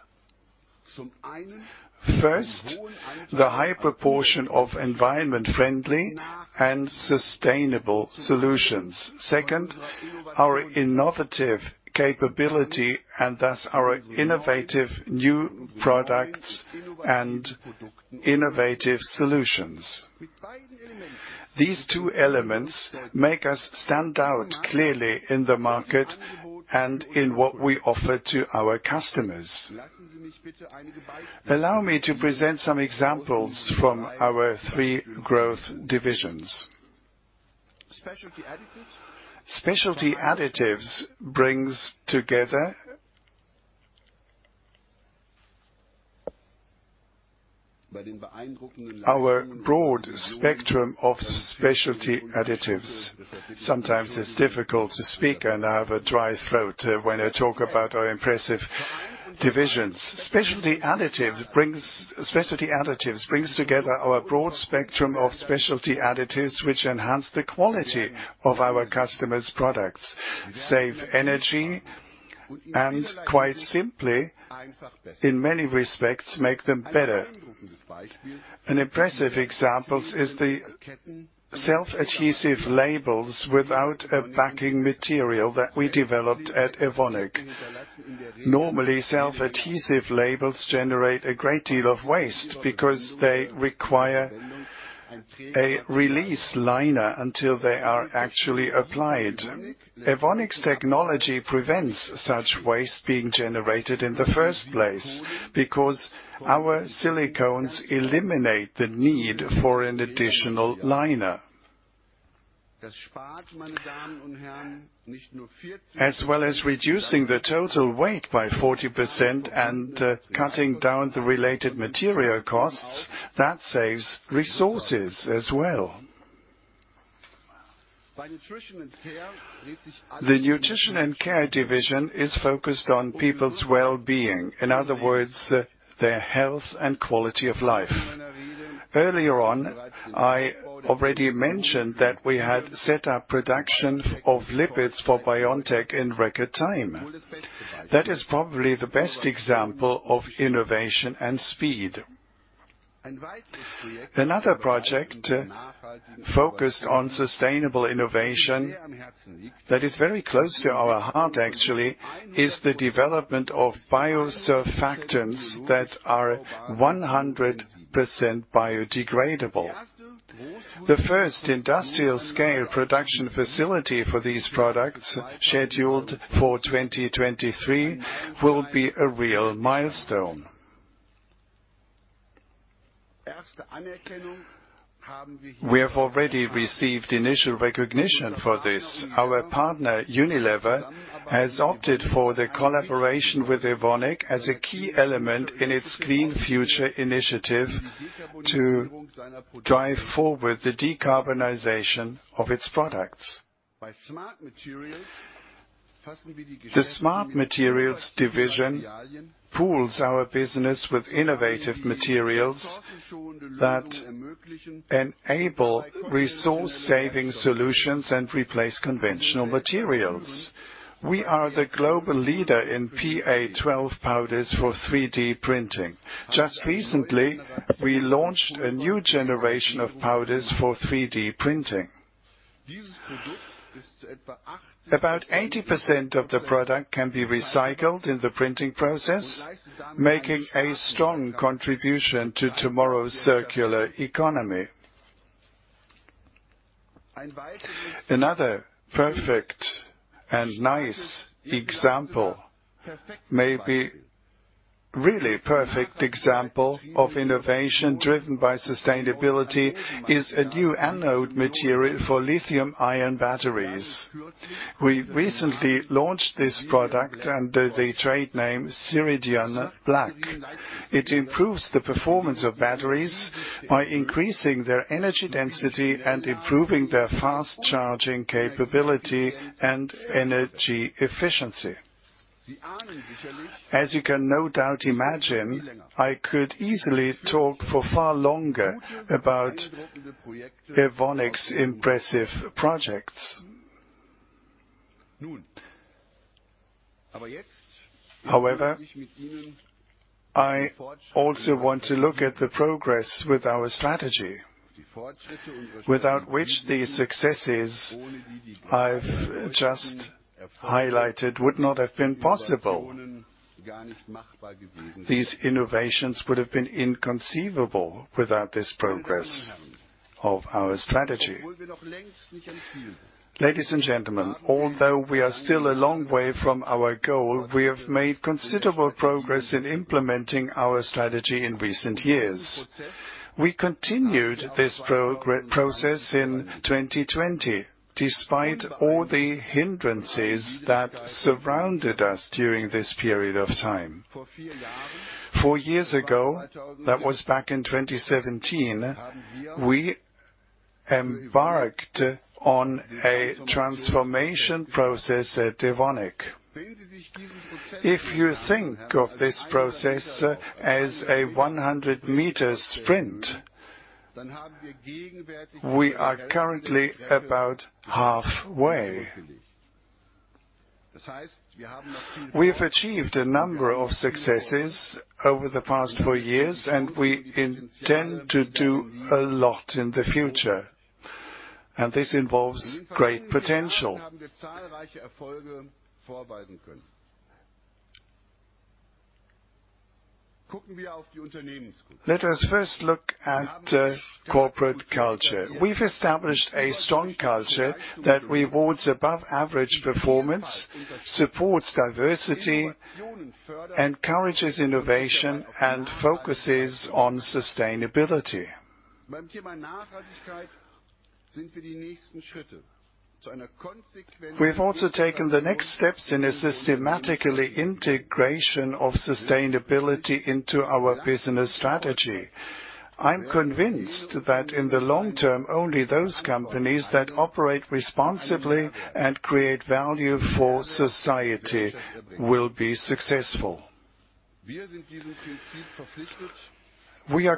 First, the high proportion of environment-friendly and sustainable solutions. Second, our innovative capability, and thus our innovative new products and innovative solutions. These two elements make us stand out clearly in the market and in what we offer to our customers. Allow me to present some examples from our three growth divisions. Specialty Additives brings together our broad spectrum of specialty additives. Sometimes it's difficult to speak and I have a dry throat when I talk about our impressive divisions. Specialty Additives brings together our broad spectrum of specialty additives which enhance the quality of our customers' products, save energy, and quite simply, in many respects, make them better. An impressive example is the self-adhesive labels without a backing material that we developed at Evonik. Normally, self-adhesive labels generate a great deal of waste because they require a release liner until they are actually applied. Evonik's technology prevents such waste being generated in the first place because our silicones eliminate the need for an additional liner. As well as reducing the total weight by 40% and cutting down the related material costs, that saves resources as well. The Nutrition & Care division is focused on people's wellbeing. In other words, their health and quality of life. Earlier on, I already mentioned that we had set up production of lipids for BioNTech in record time. That is probably the best example of innovation and speed. Another project focused on sustainable innovation that is very close to our heart actually, is the development of biosurfactants that are 100% biodegradable. The first industrial scale production facility for these products, scheduled for 2023, will be a real milestone. We have already received initial recognition for this. Our partner, Unilever, has opted for the collaboration with Evonik as a key element in its Clean Future initiative to drive forward the decarbonization of its products. The Smart Materials division pools our business with innovative materials that enable resource saving solutions and replace conventional materials. We are the global leader in PA12 powders for 3D printing. Just recently, we launched a new generation of powders for 3D printing. About 80% of the product can be recycled in the printing process, making a strong contribution to tomorrow's circular economy. Another perfect and nice example, maybe really perfect example of innovation driven by sustainability is a new anode material for lithium-ion batteries. We recently launched this product under the trade name Siridion Black. It improves the performance of batteries by increasing their energy density and improving their fast charging capability and energy efficiency. As you can no doubt imagine, I could easily talk for far longer about Evonik's impressive projects. I also want to look at the progress with our strategy, without which the successes I've just highlighted would not have been possible. These innovations would've been inconceivable without this progress of our strategy. Ladies and gentlemen, although we are still a long way from our goal, we have made considerable progress in implementing our strategy in recent years. We continued this progress in 2020, despite all the hindrances that surrounded us during this period of time. Four years ago, that was back in 2017, we embarked on a transformation process at Evonik. If you think of this process as a 100 meter sprint, we are currently about halfway. We have achieved a number of successes over the past four years, and we intend to do a lot in the future, and this involves great potential. Let us first look at corporate culture. We've established a strong culture that rewards above average performance, supports diversity, encourages innovation, and focuses on sustainability. We've also taken the next steps in a systematic integration of sustainability into our business strategy. I'm convinced that in the long term, only those companies that operate responsibly and create value for society will be successful. We are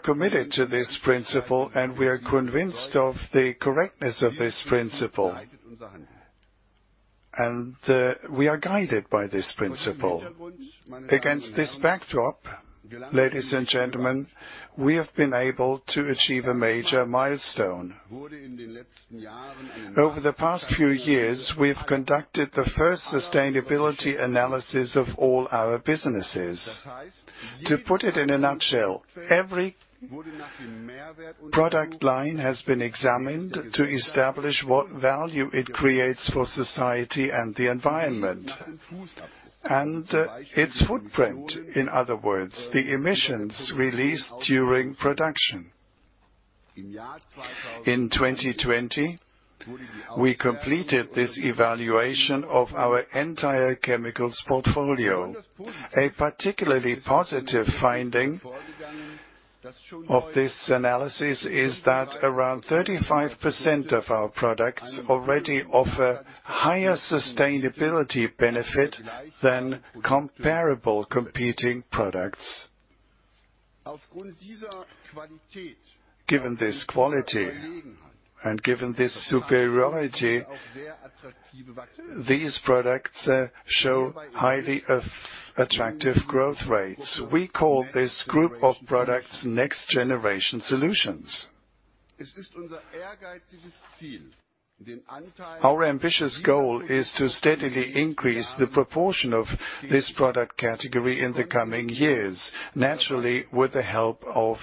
committed to this principle, and we are convinced of the correctness of this principle. We are guided by this principle. Against this backdrop, ladies and gentlemen, we have been able to achieve a major milestone. Over the past few years, we have conducted the first sustainability analysis of all our businesses. To put it in a nutshell, every product line has been examined to establish what value it creates for society and the environment, and its footprint, in other words, the emissions released during production. In 2020, we completed this evaluation of our entire chemicals portfolio. A particularly positive finding of this analysis is that around 35% of our products already offer higher sustainability benefit than comparable competing products. Given this quality and given this superiority, these products show highly attractive growth rates. We call this group of products Next Generation Solutions. Our ambitious goal is to steadily increase the proportion of this product category in the coming years, naturally with the help of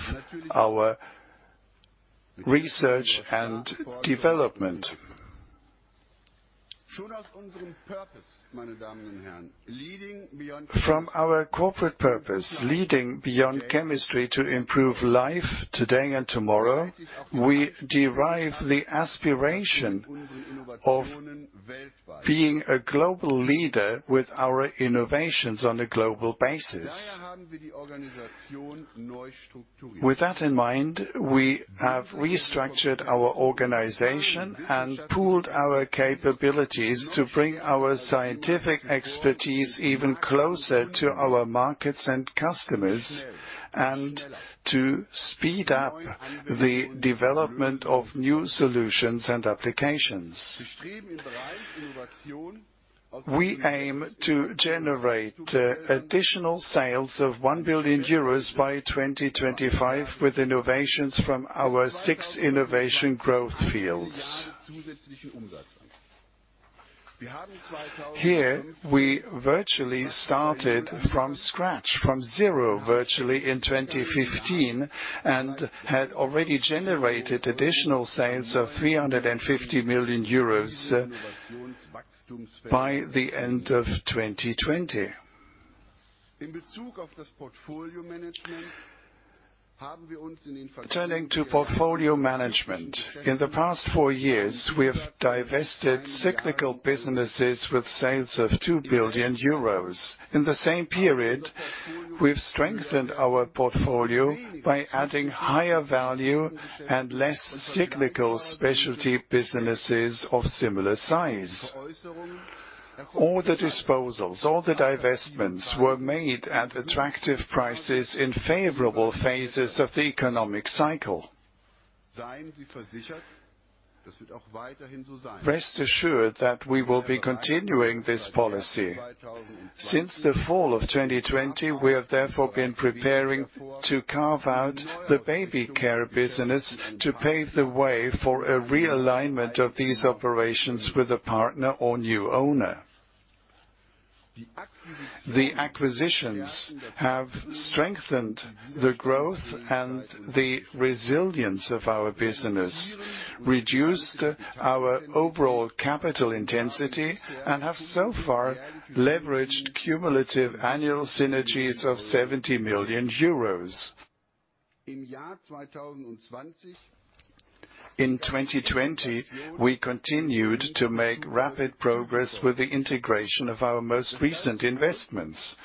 our research and development. From our corporate purpose, leading beyond chemistry to improve life today and tomorrow, we derive the aspiration of being a global leader with our innovations on a global basis. With that in mind, we have restructured our organization and pooled our capabilities to bring our scientific expertise even closer to our markets and customers, and to speed up the development of new solutions and applications. We aim to generate additional sales of 1 billion euros by 2025 with innovations from our six innovation growth fields. Here, we virtually started from scratch, from zero virtually in 2015, and had already generated additional sales of 350 million euros by the end of 2020. Turning to portfolio management. In the past four years, we have divested cyclical businesses with sales of 2 billion euros. In the same period, we've strengthened our portfolio by adding higher value and less cyclical specialty businesses of similar size. All the disposals, all the divestments, were made at attractive prices in favorable phases of the economic cycle. Rest assured that we will be continuing this policy. Since the fall of 2020, we have therefore been preparing to carve out the baby care business to pave the way for a realignment of these operations with a partner or new owner. The acquisitions have strengthened the growth and the resilience of our business, reduced our overall capital intensity, and have so far leveraged cumulative annual synergies of EUR 70 million. In 2020, we continued to make rapid progress with the integration of our most recent investments.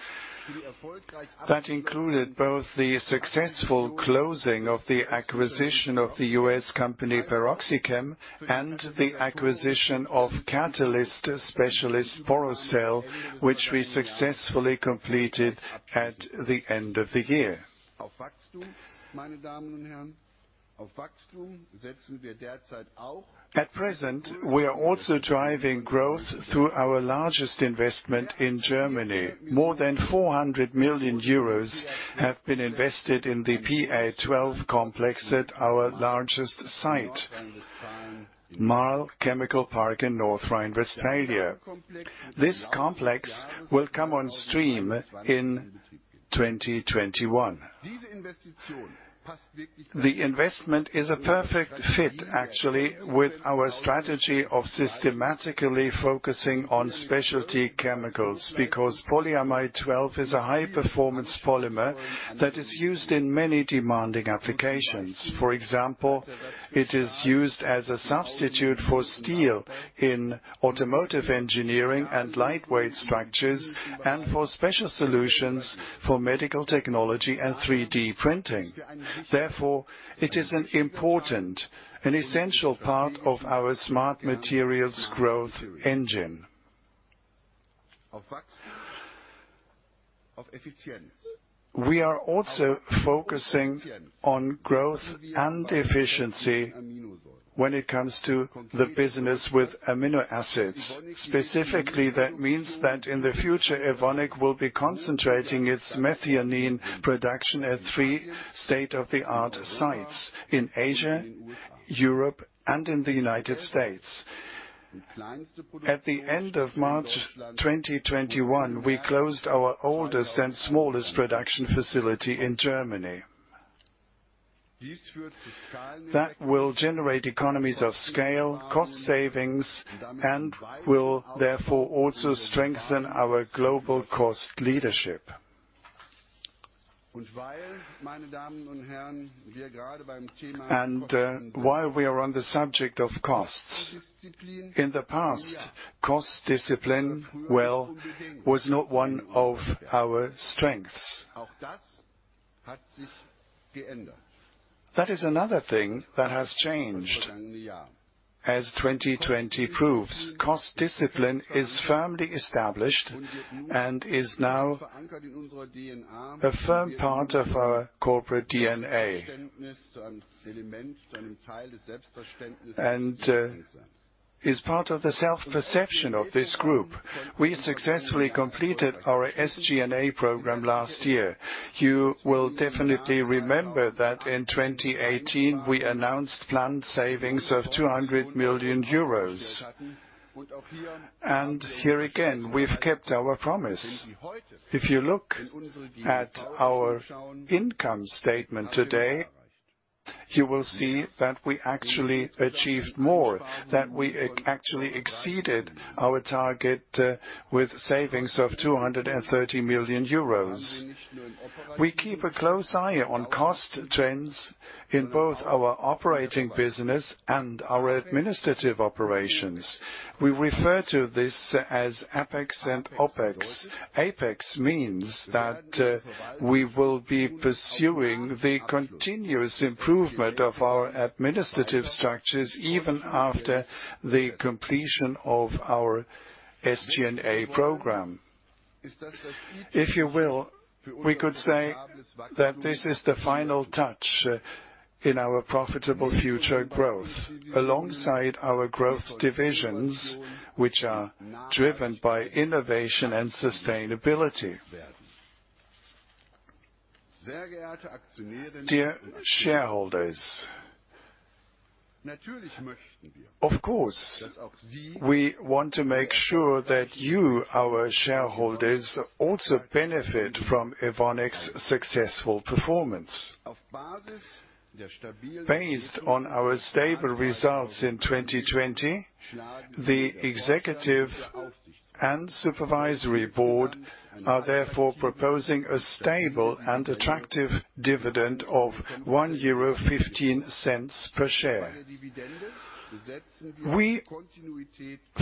That included both the successful closing of the acquisition of the U.S. company PeroxyChem and the acquisition of catalyst specialist Porocel, which we successfully completed at the end of the year. At present, we are also driving growth through our largest investment in Germany. More than 400 million euros have been invested in the PA12 complex at our largest site, Marl Chemical Park in North Rhine-Westphalia. This complex will come on stream in 2021. The investment is a perfect fit, actually, with our strategy of systematically focusing on specialty chemicals, because polyamide 12 is a high performance polymer that is used in many demanding applications. For example, it is used as a substitute for steel in automotive engineering and lightweight structures, and for special solutions for medical technology and 3D printing. It is an important and essential part of our Smart Materials growth engine. We are also focusing on growth and efficiency when it comes to the business with amino acids. That means that in the future, Evonik will be concentrating its methionine production at three state-of-the-art sites in Asia, Europe, and in the U.S. At the end of March 2021, we closed our oldest and smallest production facility in Germany. That will generate economies of scale, cost savings, and will therefore also strengthen our global cost leadership. While we are on the subject of costs, in the past, cost discipline, well, was not one of our strengths. That is another thing that has changed, as 2020 proves. Cost discipline is firmly established and is now a firm part of our corporate DNA. Is part of the self-perception of this group. We successfully completed our SG&A program last year. You will definitely remember that in 2018, we announced planned savings of 200 million euros. Here again, we've kept our promise. If you look at our income statement today, you will see that we actually achieved more, that we actually exceeded our target with savings of 230 million euros. We keep a close eye on cost trends in both our operating business and our administrative operations. We refer to this as APEX and OPEX. APEX means that we will be pursuing the continuous improvement of our administrative structures, even after the completion of our SG&A program. If you will, we could say that this is the final touch in our profitable future growth, alongside our growth divisions, which are driven by innovation and sustainability. Dear shareholders, of course, we want to make sure that you, our shareholders, also benefit from Evonik's successful performance. Based on our stable results in 2020, the Executive and Supervisory Board are therefore proposing a stable and attractive dividend of 1.15 euro per share. We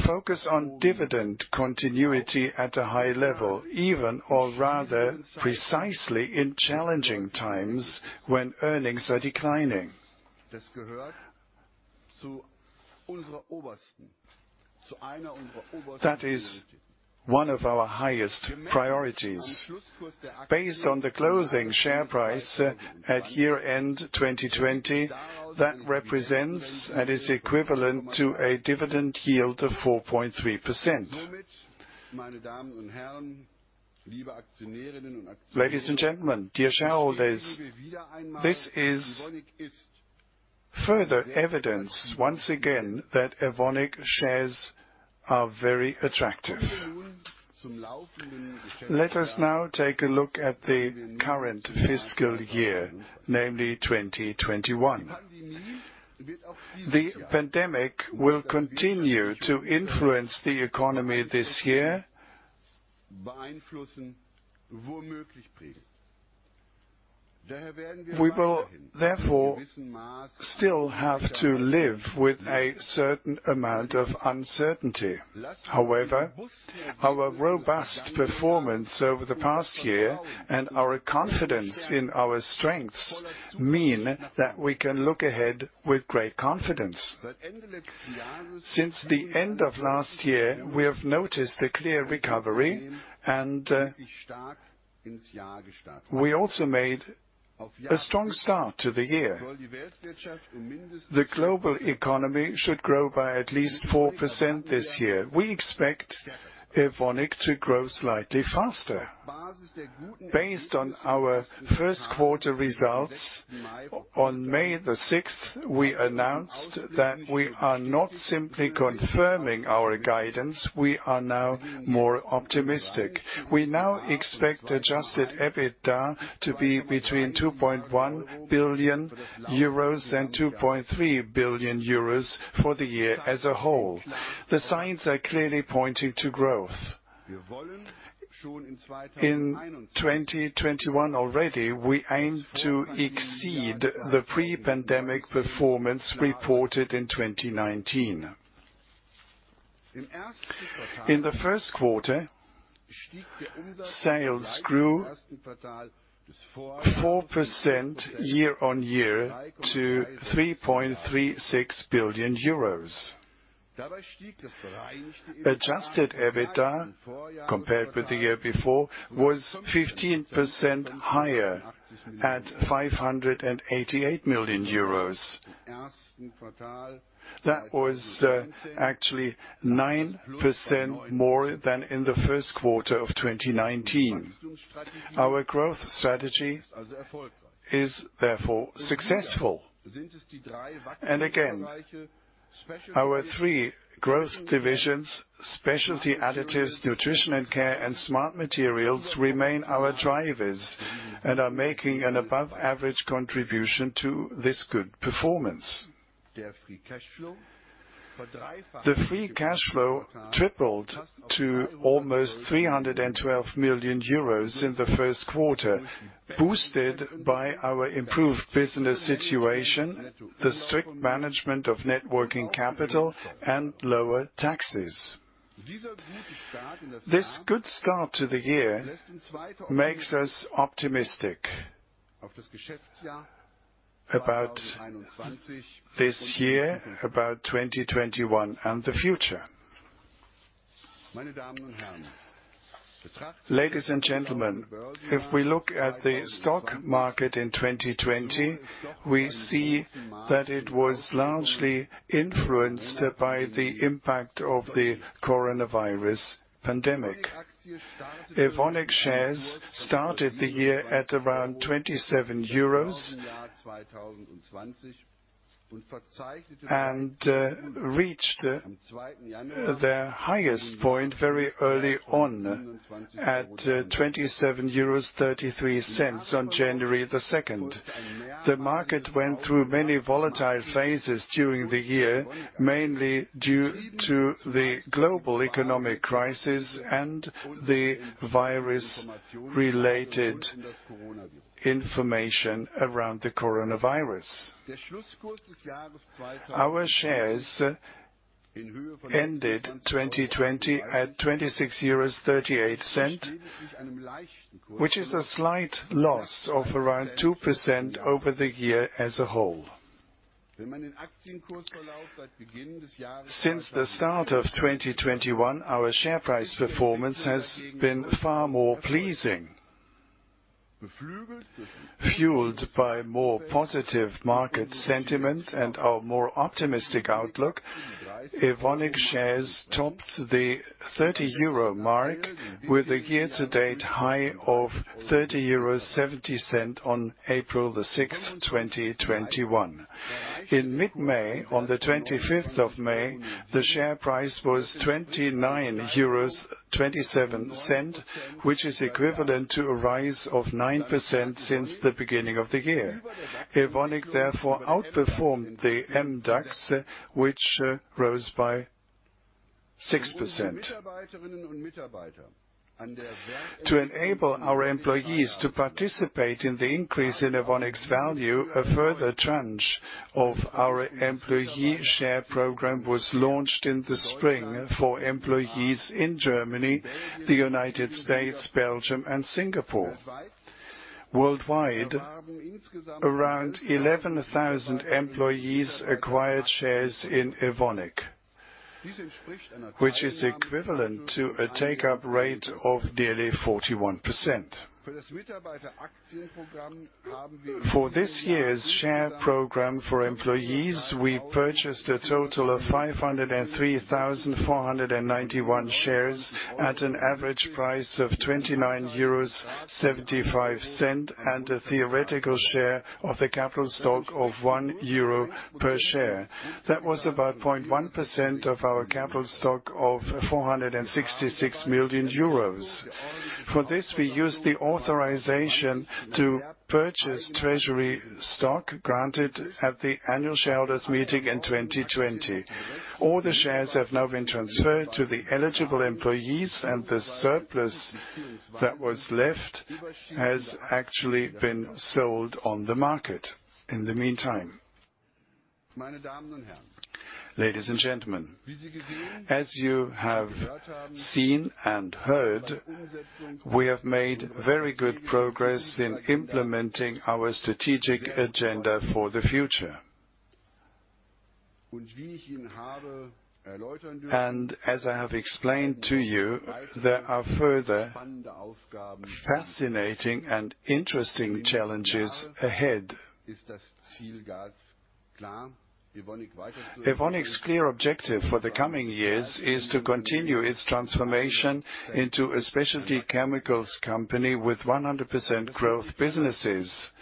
focus on dividend continuity at a high level, even, or rather precisely in challenging times when earnings are declining. That is one of our highest priorities. Based on the closing share price at year-end 2020, that represents and is equivalent to a dividend yield of 4.3%. Ladies and gentlemen, dear shareholders, this is further evidence, once again, that Evonik shares are very attractive. Let us now take a look at the current fiscal year, namely 2021. The pandemic will continue to influence the economy this year. We will therefore still have to live with a certain amount of uncertainty. However, our robust performance over the past year and our confidence in our strengths mean that we can look ahead with great confidence. Since the end of last year, we have noticed a clear recovery, and we also made a strong start to the year. The global economy should grow by at least 4% this year. We expect Evonik to grow slightly faster. Based on our first quarter results on May the 6th, we announced that we are not simply confirming our guidance, we are now more optimistic. We now expect adjusted EBITDA to be between 2.1 billion euros and 2.3 billion euros for the year as a whole. The signs are clearly pointing to growth. In 2021 already, we aim to exceed the pre-pandemic performance reported in 2019. In the first quarter, sales grew 4% year-on-year to EUR 3.36 billion. Adjusted EBITDA, compared with the year before, was 15% higher at EUR 588 million. That was actually 9% more than in the first quarter of 2019. Our growth strategy is therefore successful. Again, our three growth divisions, Specialty Additives, Nutrition & Care, and Smart Materials remain our drivers and are making an above-average contribution to this good performance. The free cash flow tripled to almost 312 million euros in the first quarter, boosted by our improved business situation, the strict management of net working capital, and lower taxes. This good start to the year makes us optimistic about this year, about 2021 and the future. Ladies and gentlemen, if we look at the stock market in 2020, we see that it was largely influenced by the impact of the COVID-19 pandemic. Evonik shares started the year at around 27 euros and reached their highest point very early on at 27.33 euros on January 2nd. The market went through many volatile phases during the year, mainly due to the global economic crisis and the virus-related information around the coronavirus. Our shares ended 2020 at 26.38, which is a slight loss of around 2% over the year as a whole. Since the start of 2021, our share price performance has been far more pleasing. Fueled by more positive market sentiment and our more optimistic outlook, Evonik shares topped the 30 euro mark with a year-to-date high of 30.70 euros on April 6th, 2021. In mid-May, on May 25th, the share price was 29.27 euros, which is equivalent to a rise of 9% since the beginning of the year. Evonik therefore outperformed the MDAX, which rose by 6%. To enable our employees to participate in the increase in Evonik's value, a further tranche of our Employee Share Program was launched in the spring for employees in Germany, the United States, Belgium, and Singapore. Worldwide, around 11,000 employees acquired shares in Evonik, which is equivalent to a take-up rate of nearly 41%. For this year's share program for employees, we purchased a total of 503,491 shares at an average price of €29.75 and a theoretical share of the capital stock of €1 per share. That was about 0.1% of our capital stock of €466 million. For this, we used the authorization to purchase treasury stock granted at the Annual Shareholders' Meeting in 2020. All the shares have now been transferred to the eligible employees, and the surplus that was left has actually been sold on the market in the meantime. Ladies and gentlemen, as you have seen and heard, we have made very good progress in implementing our strategic agenda for the future. As I have explained to you, there are further fascinating and interesting challenges ahead. Evonik's clear objective for the coming years is to continue its transformation into a specialty chemicals company with 100% growth businesses.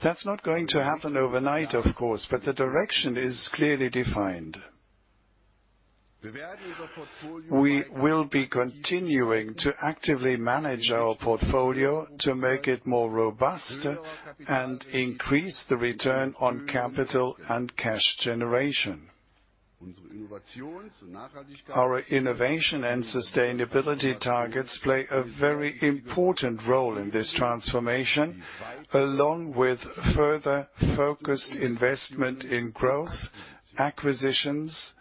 That's not going to happen overnight, of course, but the direction is clearly defined. We will be continuing to actively manage our portfolio to make it more robust and increase the return on capital and cash generation. Our innovation and sustainability targets play a very important role in this transformation, along with further focused investment in growth acquisitions,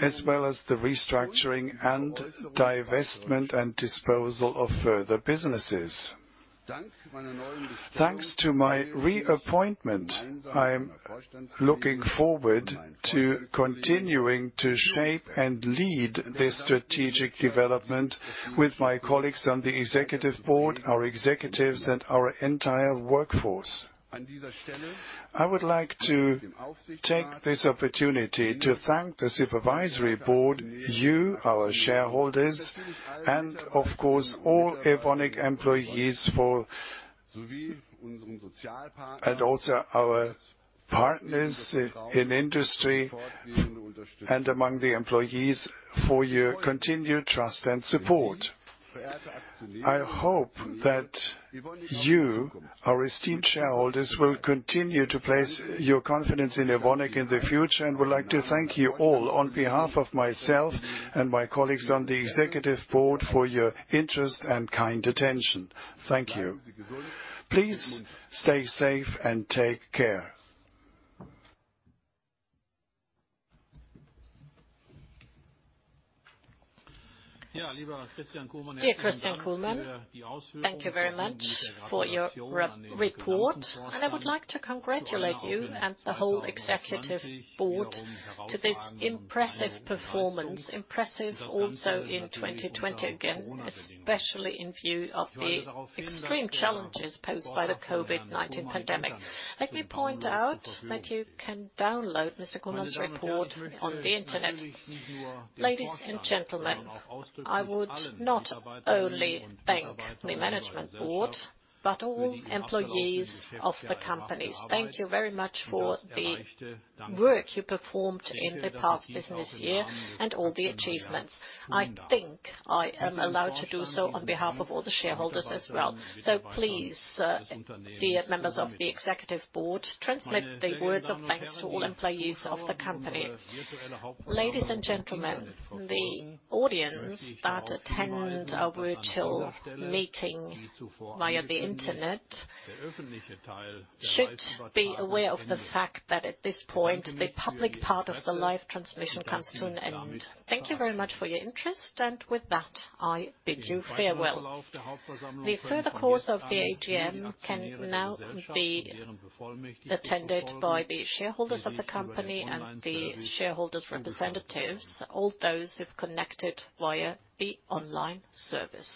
as well as the restructuring and divestment and disposal of further businesses. Thanks to my reappointment, I'm looking forward to continuing to shape and lead this strategic development with my colleagues on the Executive Board, our executives, and our entire workforce. I would like to take this opportunity to thank the Supervisory Board, you, our shareholders, and of course, all Evonik employees, and also our partners in industry and among the employees, for your continued trust and support. I hope that you, our esteemed shareholders, will continue to place your confidence in Evonik in the future, and would like to thank you all on behalf of myself and my colleagues on the Executive Board for your interest and kind attention. Thank you. Please stay safe and take care. Dear Christian Kullmann, thank you very much for your report. I would like to congratulate you and the whole Executive Board to this impressive performance. Impressive also in 2020, again, especially in view of the extreme challenges posed by the COVID-19 pandemic. Let me point out that you can download Mr. Kullmann's report on the internet. Ladies and gentlemen, I would not only thank the Executive Board, but all employees of the company. Thank you very much for the work you performed in the past business year and all the achievements. I think I am allowed to do so on behalf of all the shareholders as well. Please, dear members of the Executive Board, transmit the words of thanks to all employees of the company. Ladies and gentlemen, the audience that attend our virtual meeting via the internet should be aware of the fact that at this point, the public part of the live transmission comes to an end. Thank you very much for your interest, and with that, I bid you farewell. The further course of the AGM can now be attended by the shareholders of the company and the shareholders' representatives, all those who've connected via the online service.